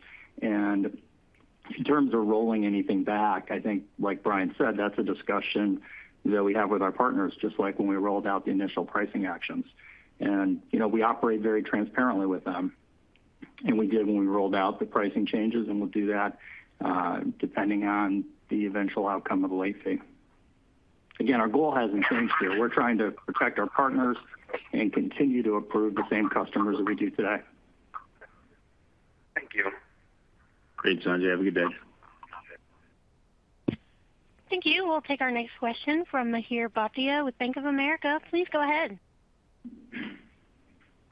And in terms of rolling anything back, I think, like Brian said, that's a discussion that we have with our partners, just like when we rolled out the initial pricing actions. And, you know, we operate very transparently with them, and we did when we rolled out the pricing changes, and we'll do that depending on the eventual outcome of the late fee. Again, our goal hasn't changed here. We're trying to protect our partners and continue to approve the same customers as we do today. Thank you. Great, Sanjay. Have a good day. Okay. Thank you. We'll take our next question from Mihir Bhatia with Bank of America. Please go ahead.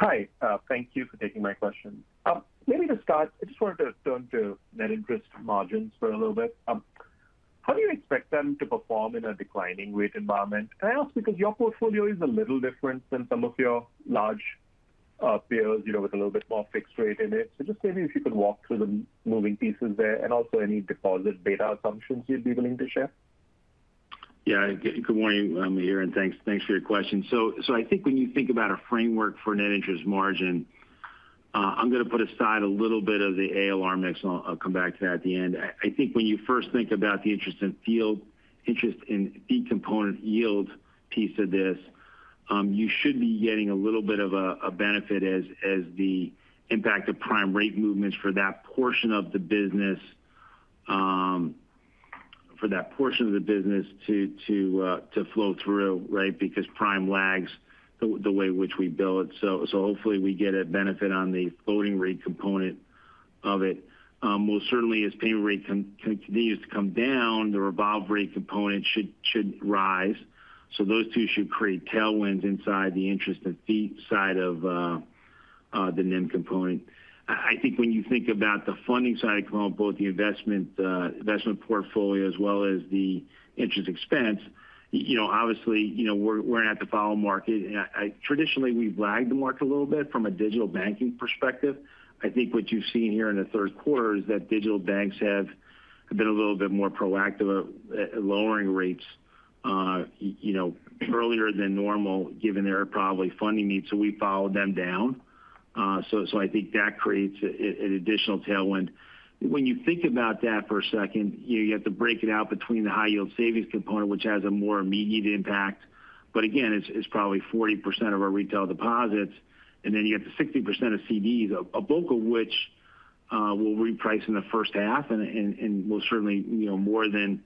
Hi, thank you for taking my question. Maybe to start, I just wanted to turn to net interest margins for a little bit. How do you expect them to perform in a declining rate environment? And I ask because your portfolio is a little different than some of your large peers, you know, with a little bit more fixed rate in it. So just maybe if you could walk through the moving pieces there and also any deposit beta assumptions you'd be willing to share. Yeah, good morning, Mihir, and thanks for your question. So I think when you think about a framework for net interest margin, I'm going to put aside a little bit of the liquidity mix, and I'll come back to that at the end. I think when you first think about the interest income yield piece of this, you should be getting a little bit of a benefit as the impact of prime rate movements for that portion of the business for that portion of the business to flow through, right? Because prime lags the way in which we bill. So hopefully we get a benefit on the floating rate component of it. Most certainly as payment rate continues to come down, the revolve rate component should rise. So those two should create tailwinds inside the interest and fee side of the NIM component. I think when you think about the funding side of both the investment portfolio as well as the interest expense, you know, obviously, you know, we're not the follow market, and traditionally, we've lagged the market a little bit from a digital banking perspective. I think what you've seen here in the third quarter is that digital banks have been a little bit more proactive at lowering rates, you know, earlier than normal, given their probably funding needs. So we followed them down, so I think that creates an additional tailwind. When you think about that for a second, you have to break it out between the high yield savings component, which has a more immediate impact. But again, it's probably 40% of our retail deposits, and then you have the 60% of CDs, a bulk of which will reprice in the first half, and will certainly, you know, more than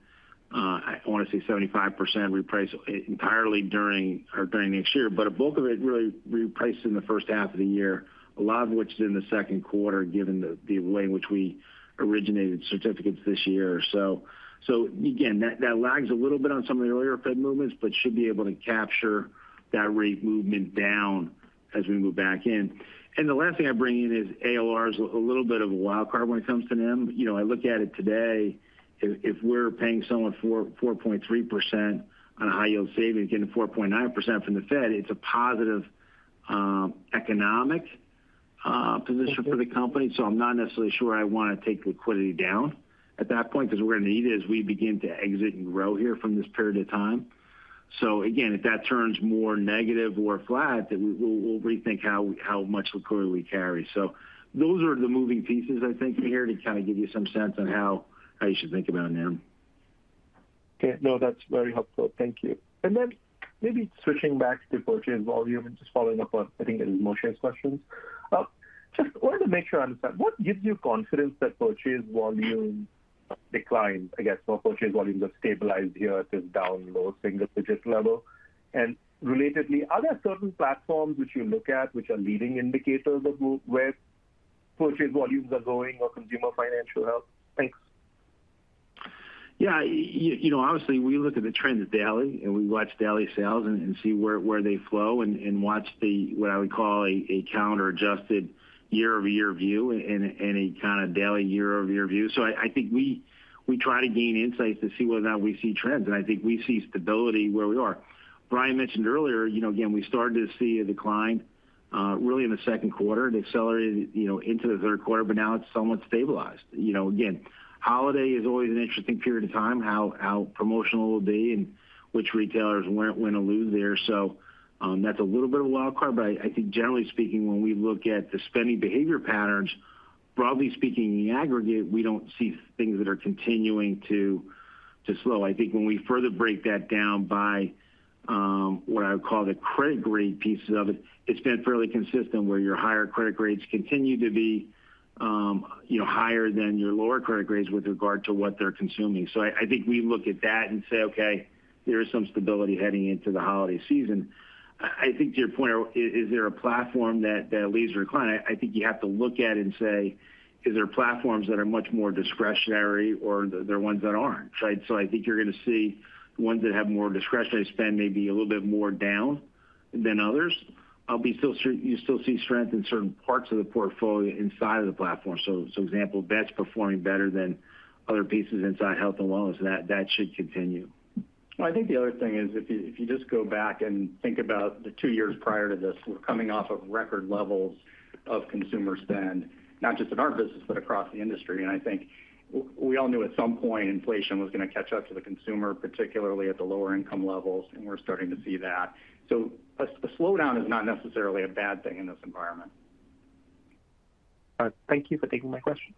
75% reprice entirely during next year. But a bulk of it really reprices in the first half of the year, a lot of which is in the second quarter, given the way in which we originated certificates this year. So again, that lags a little bit on some of the earlier Fed movements, but should be able to capture that rate movement down as we move back in. And the last thing I bring in is ALRs, a little bit of a wild card when it comes to NIM. You know, I look at it today. If we're paying someone 4.3% on a high yield savings, getting 4.9% from the Fed, it's a positive economic position for the company. So I'm not necessarily sure I want to take liquidity down at that point, because we're going to need it as we begin to exit and grow here from this period of time. So again, if that turns more negative or flat, then we'll rethink how much liquidity we carry. So those are the moving pieces, I think, here to kind of give you some sense on how you should think about NIM. Okay. No, that's very helpful. Thank you. And then maybe switching back to purchase volume and just following up on, I think, Moshe's questions. Just wanted to make sure I understand. What gives you confidence that purchase volume declined? I guess, so purchase volumes have stabilized here. It is down low single digits level. And relatedly, are there certain platforms which you look at, which are leading indicators of where purchase volumes are going or consumer financial health? Thanks. Yeah, you know, obviously, we look at the trends daily, and we watch daily sales and see where they flow and watch the what I would call a calendar-adjusted year-over-year view and a kind of daily year-over-year view. So I think we try to gain insights to see whether or not we see trends, and I think we see stability where we are. Brian mentioned earlier, you know, again, we started to see a decline really in the second quarter. It accelerated, you know, into the third quarter, but now it's somewhat stabilized. You know, again, holiday is always an interesting period of time, how promotional it will be and which retailers win or lose there. So, that's a little bit of a wild card, but I think generally speaking, when we look at the spending behavior patterns, broadly speaking, in the aggregate, we don't see things that are continuing to slow. I think when we further break that down by what I would call the credit grade pieces of it, it's been fairly consistent, where your higher credit grades continue to be, you know, higher than your lower credit grades with regard to what they're consuming. So I think we look at that and say, "Okay, there is some stability heading into the holiday season." I think to your point, is there a platform that leads or decline? I think you have to look at it and say: Is there platforms that are much more discretionary or there are ones that aren't, right? I think you're going to see ones that have more discretionary spend may be a little bit more down than others. I believe you'll still see strength in certain parts of the portfolio inside of the platform. So, for example, Pets performing better than other pieces inside health and wellness, that should continue. I think the other thing is, if you just go back and think about the two years prior to this, we're coming off of record levels of consumer spend, not just in our business, but across the industry. And I think we all knew at some point inflation was going to catch up to the consumer, particularly at the lower income levels, and we're starting to see that. So a slowdown is not necessarily a bad thing in this environment. All right. Thank you for taking my questions.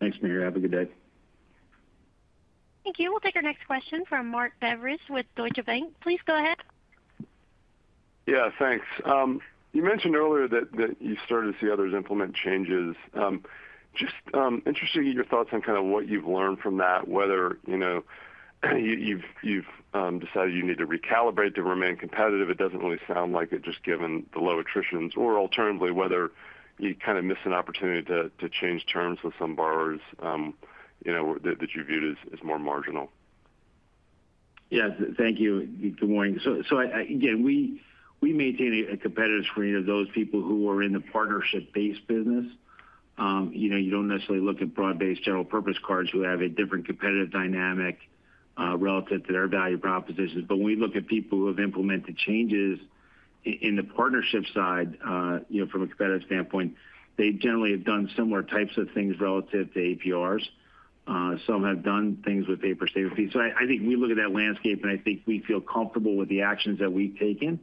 Thanks, Mihir. Have a good day. Thank you. We'll take our next question from Mark DeVries with Deutsche Bank. Please go ahead. Yeah, thanks. You mentioned earlier that you started to see others implement changes. Just interested in your thoughts on kind of what you've learned from that, whether, you know, you've decided you need to recalibrate to remain competitive. It doesn't really sound like it, just given the low attritions, or alternatively, whether you kind of missed an opportunity to change terms with some borrowers, you know, that you viewed as more marginal. Yes. Thank you. Good morning. So again, we maintain a competitive screen of those people who are in the partnership-based business. You know, you don't necessarily look at broad-based general purpose cards who have a different competitive dynamic relative to their value propositions. But when we look at people who have implemented changes in the partnership side, you know, from a competitive standpoint, they generally have done similar types of things relative to APRs. Some have done things with paper statement fees. So I think we look at that landscape, and I think we feel comfortable with the actions that we've taken.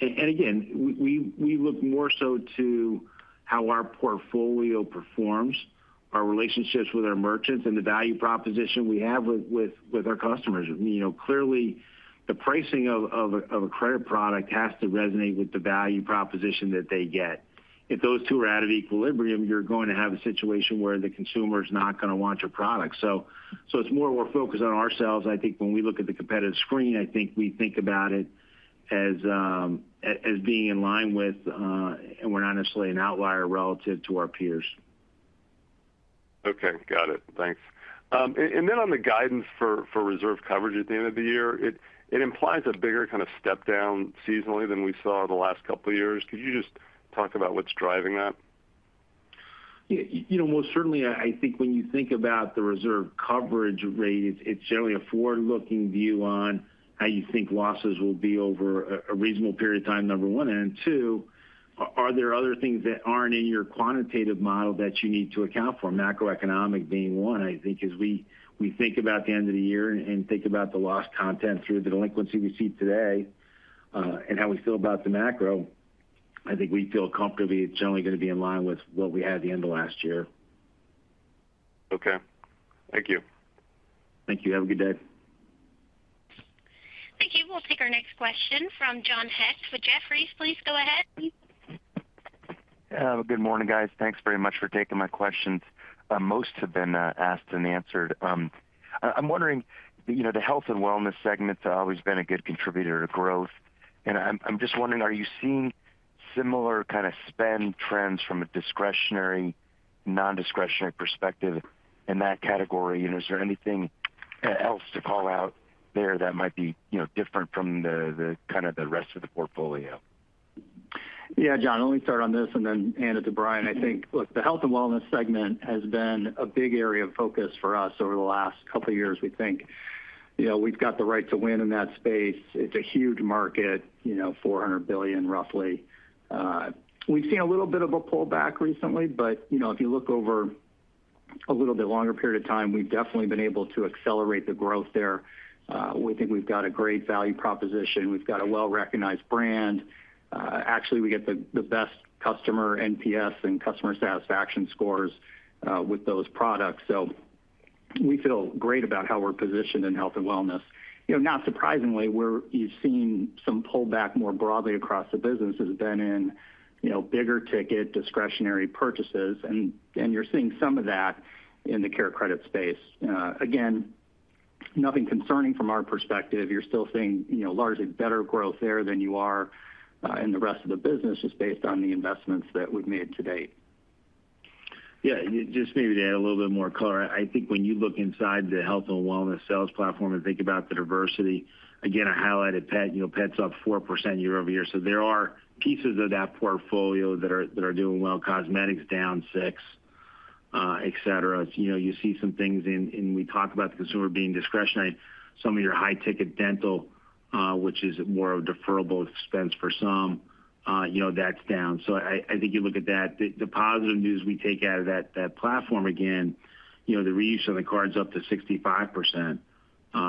And again, we look more so to how our portfolio performs, our relationships with our merchants, and the value proposition we have with our customers. You know, clearly, the pricing of a credit product has to resonate with the value proposition that they get. If those two are out of equilibrium, you're going to have a situation where the consumer is not going to want your product. So it's more we're focused on ourselves. I think when we look at the competitive screen, I think we think about it as being in line with, and we're not necessarily an outlier relative to our peers. ... Okay, got it. Thanks. And then on the guidance for reserve coverage at the end of the year, it implies a bigger kind of step down seasonally than we saw the last couple of years. Could you just talk about what's driving that? You know, most certainly, I think when you think about the reserve coverage rate, it's generally a forward-looking view on how you think losses will be over a reasonable period of time, number one. And two, are there other things that aren't in your quantitative model that you need to account for? Macroeconomic being one. I think as we think about the end of the year and think about the loss content through the delinquency we see today, and how we feel about the macro, I think we feel comfortably it's generally going to be in line with what we had at the end of last year. Okay, thank you. Thank you. Have a good day. Thank you. We'll take our next question from John Hecht with Jefferies. Please go ahead. Good morning, guys. Thanks very much for taking my questions. Most have been asked and answered. I'm wondering, you know, the health and wellness segment has always been a good contributor to growth, and I'm just wondering, are you seeing similar kind of spend trends from a discretionary, non-discretionary perspective in that category? And is there anything else to call out there that might be, you know, different from the kind of the rest of the portfolio? Yeah, John, let me start on this and then hand it to Brian. I think, look, the health and wellness segment has been a big area of focus for us over the last couple of years. We think, you know, we've got the right to win in that space. It's a huge market, you know, $400 billion, roughly. We've seen a little bit of a pullback recently, but, you know, if you look over a little bit longer period of time, we've definitely been able to accelerate the growth there. We think we've got a great value proposition. We've got a well-recognized brand. Actually, we get the best customer NPS and customer satisfaction scores with those products. So we feel great about how we're positioned in health and wellness. You know, not surprisingly, you've seen some pullback more broadly across the business has been in, you know, bigger ticket, discretionary purchases, and you're seeing some of that in the CareCredit space. Again, nothing concerning from our perspective. You're still seeing, you know, largely better growth there than you are in the rest of the business, just based on the investments that we've made to date. Yeah, just maybe to add a little bit more color. I think when you look inside the health and wellness sales platform and think about the diversity, again, I highlighted pet. You know, pets up 4% year over year. So there are pieces of that portfolio that are doing well. Cosmetics down 6%, et cetera. You know, you see some things in, and we talked about the consumer being discretionary. Some of your high-ticket dental, which is more of a deferrable expense for some, you know, that's down. So I think you look at that. The positive news we take out of that platform again, you know, the reuse of the card is up to 65%,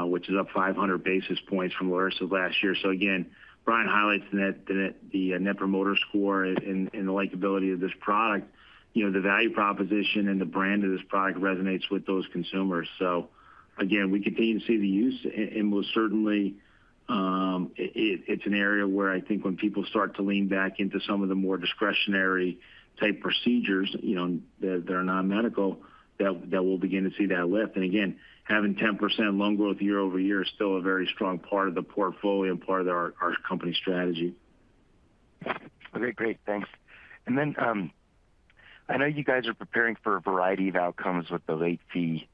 which is up 500 basis points from where it was of last year. So again, Brian highlights the Net Promoter Score and the likability of this product. You know, the value proposition and the brand of this product resonates with those consumers. So again, we continue to see the use and most certainly, it's an area where I think when people start to lean back into some of the more discretionary-type procedures, you know, that are non-medical, that we'll begin to see that lift. And again, having 10% loan growth year over year is still a very strong part of the portfolio and part of our company strategy. Okay, great. Thanks. And then, I know you guys are preparing for a variety of outcomes with the late fee,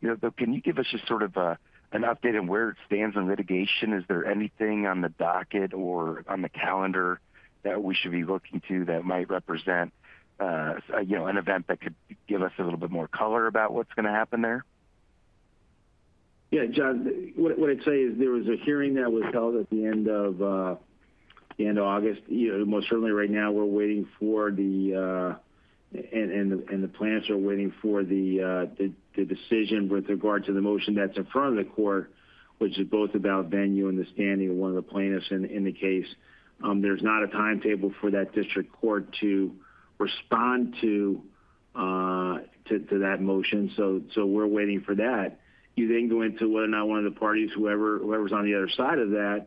you know, backdrop. I'm wondering, you know, though, can you give us just sort of an update on where it stands on litigation? Is there anything on the docket or on the calendar that we should be looking to that might represent, you know, an event that could give us a little bit more color about what's going to happen there? Yeah, John, what I'd say is there was a hearing that was held at the end of August. You know, most certainly right now, we're waiting for the decision with regard to the motion that's in front of the court, which is both about venue and the standing of one of the plaintiffs in the case. There's not a timetable for that district court to respond to that motion, so we're waiting for that. You then go into whether or not one of the parties, whoever's on the other side of that,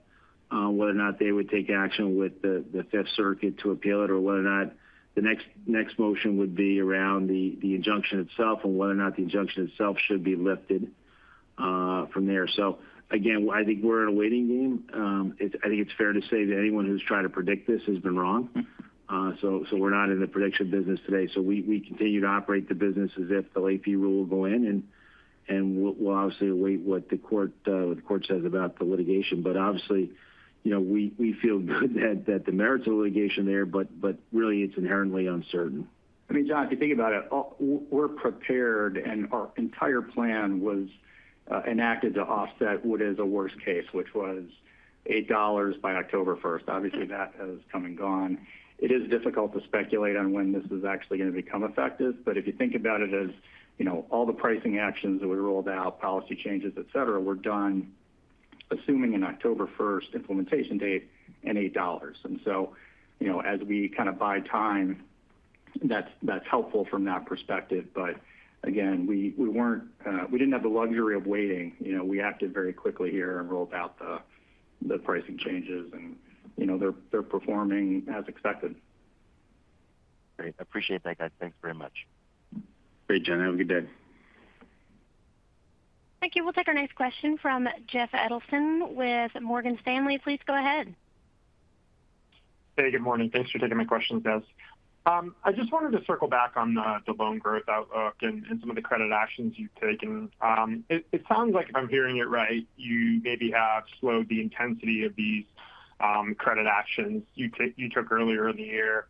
whether or not they would take action with the Fifth Circuit to appeal it, or whether or not the next motion would be around the injunction itself and whether or not the injunction itself should be lifted from there. So again, I think we're in a waiting game. It's fair to say that anyone who's tried to predict this has been wrong. So we're not in the prediction business today. So we continue to operate the business as if the rule will go in, and we'll obviously await what the court says about the litigation. But obviously, you know, we feel good that the merits of the litigation there, but really, it's inherently uncertain. I mean, John, if you think about it, we're prepared, and our entire plan was enacted to offset what is a worst case, which was $8 by October first. Obviously, that has come and gone. It is difficult to speculate on when this is actually going to become effective, but if you think about it as, you know, all the pricing actions that were rolled out, policy changes, etc., were done, assuming an October first implementation date and $8. And so, you know, as we kind of buy time, that's helpful from that perspective. But again, we weren't. We didn't have the luxury of waiting. You know, we acted very quickly here and rolled out the pricing changes, and, you know, they're performing as expected. Great. I appreciate that, guys. Thanks very much. Great, John. Have a good day. ... Thank you. We'll take our next question from Jeff Adelson with Morgan Stanley. Please go ahead. Hey, good morning. Thanks for taking my question, guys. I just wanted to circle back on the loan growth outlook and some of the credit actions you've taken. It sounds like if I'm hearing it right, you maybe have slowed the intensity of these credit actions you took earlier in the year.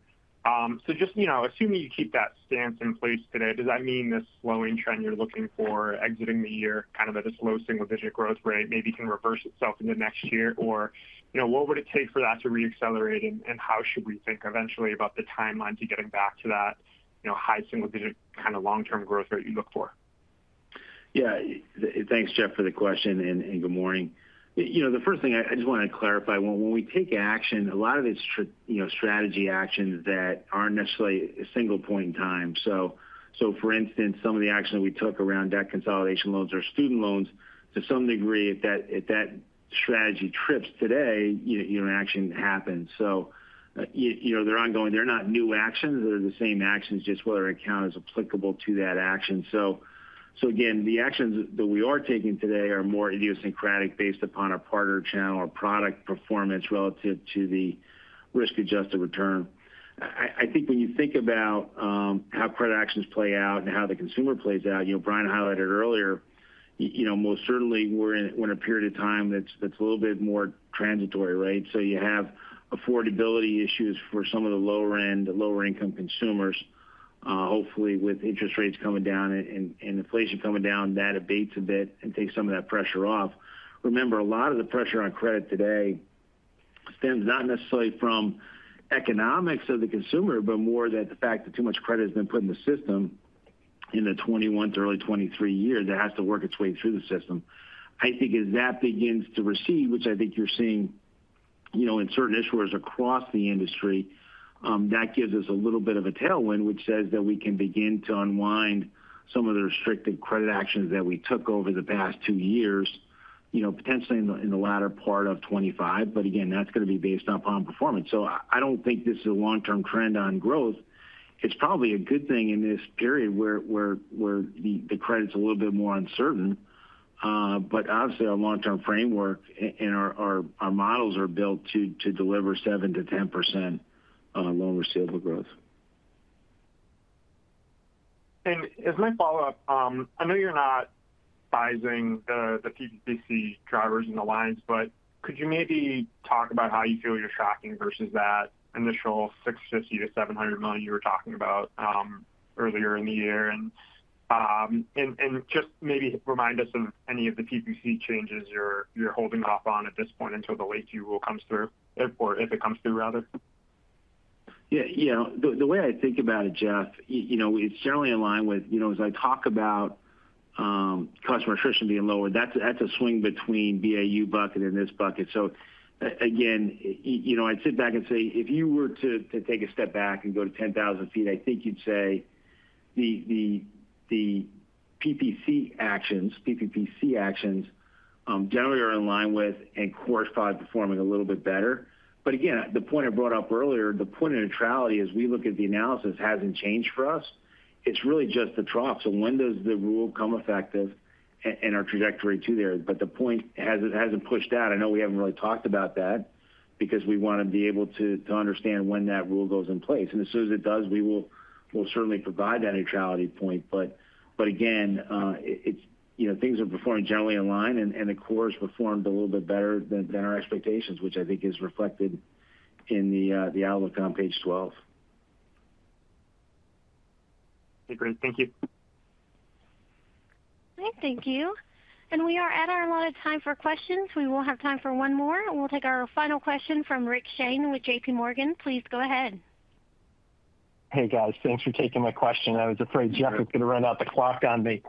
So just, you know, assuming you keep that stance in place today, does that mean this slowing trend you're looking for exiting the year, kind of at a slow single-digit growth rate, maybe can reverse itself into next year? Or, you know, what would it take for that to reaccelerate, and how should we think eventually about the timeline to getting back to that, you know, high single digit kind of long-term growth rate you look for? Yeah. Thanks, Jeff, for the question, and good morning. You know, the first thing I just want to clarify, when we take action, a lot of it's strategy actions that aren't necessarily a single point in time. So, for instance, some of the action we took around debt consolidation loans or student loans, to some degree, if that strategy trips today, you know, an action happens. So, you know, they're ongoing. They're not new actions. They're the same actions, just whether an account is applicable to that action. So, again, the actions that we are taking today are more idiosyncratic, based upon our partner channel or product performance relative to the risk-adjusted return. I think when you think about how credit actions play out and how the consumer plays out, you know, Brian highlighted earlier, you know, most certainly we're in a period of time that's a little bit more transitory, right? So you have affordability issues for some of the lower-end, the lower-income consumers. Hopefully, with interest rates coming down and inflation coming down, that abates a bit and takes some of that pressure off. Remember, a lot of the pressure on credit today stems not necessarily from economics of the consumer, but more that the fact that too much credit has been put in the system in the 2021 to early 2023 years that has to work its way through the system. I think as that begins to recede, which I think you're seeing, you know, in certain issuers across the industry, that gives us a little bit of a tailwind, which says that we can begin to unwind some of the restricted credit actions that we took over the past two years, you know, potentially in the latter part of 2025. But again, that's going to be based upon performance. So I don't think this is a long-term trend on growth. It's probably a good thing in this period where the credit's a little bit more uncertain. But obviously, our long-term framework and our models are built to deliver 7%-10% loan receivable growth. And as my follow-up, I know you're not sizing the PPC drivers in the lines, but could you maybe talk about how you feel you're tracking versus that initial $650 million-$700 million you were talking about earlier in the year? And just maybe remind us of any of the PPC changes you're holding off on at this point until the late fee rule comes through, if or if it comes through, rather. Yeah, you know, the way I think about it, Jeff, you know, it's generally in line with, you know, as I talk about, customer attrition being lower, that's a swing between BAU bucket and this bucket. So again, you know, I'd sit back and say, if you were to take a step back and go to ten thousand feet, I think you'd say the PPPC actions generally are in line with and Core 5 performing a little bit better. But again, the point I brought up earlier, the point of neutrality as we look at the analysis, hasn't changed for us. It's really just the trough. So when does the rule come effective and our trajectory to there, but the point hasn't pushed out. I know we haven't really talked about that because we want to be able to understand when that rule goes in place. And as soon as it does, we'll certainly provide that neutrality point. But again, it's, you know, things are performing generally in line and the core has performed a little bit better than our expectations, which I think is reflected in the outlook on page twelve. Okay, great. Thank you. Okay, thank you. And we are at our allotted time for questions. We will have time for one more. We'll take our final question from Rick Shane with JP Morgan. Please go ahead. Hey, guys. Thanks for taking my question. I was afraid Jeff was going to run out the clock on me.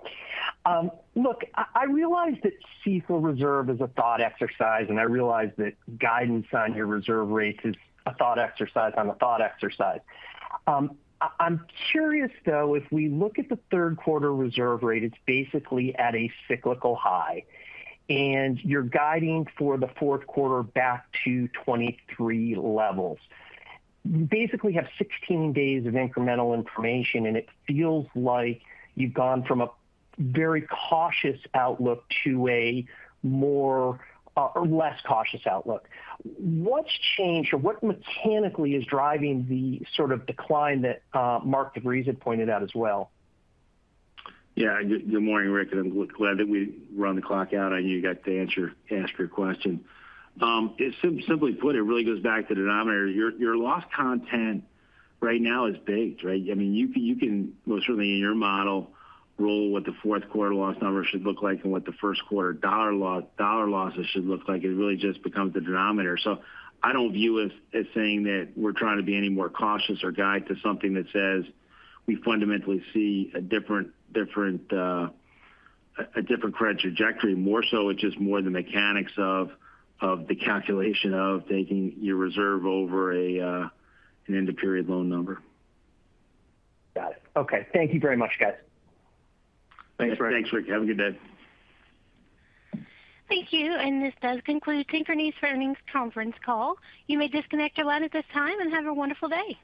Look, I realize that CECL reserve is a thought exercise, and I realize that guidance on your reserve rates is a thought exercise on a thought exercise. I'm curious, though, if we look at the third quarter reserve rate, it's basically at a cyclical high, and you're guiding for the fourth quarter back to 2023 levels. Basically, have sixteen days of incremental information, and it feels like you've gone from a very cautious outlook to a more, or less cautious outlook. What's changed, or what mechanically is driving the sort of decline that, Mark DeVries had pointed out as well? Yeah, good morning, Rick, and I'm glad that we ran the clock out, and you got to ask your question. It's simply put, it really goes back to the denominator. Your loss rate right now is baked, right? I mean, you can most certainly in your model, roll what the fourth quarter loss number should look like and what the first quarter dollar losses should look like. It really just becomes the denominator. So I don't view it as saying that we're trying to be any more cautious or guide to something that says we fundamentally see a different credit trajectory. More so, it's just more the mechanics of the calculation of taking your reserve over an end-of-period loan number. Got it. Okay, thank you very much, guys. Thanks, Rick. Thanks, Rick. Have a good day. Thank you, and this does conclude Synchrony's Earnings Conference Call. You may disconnect your line at this time and have a wonderful day.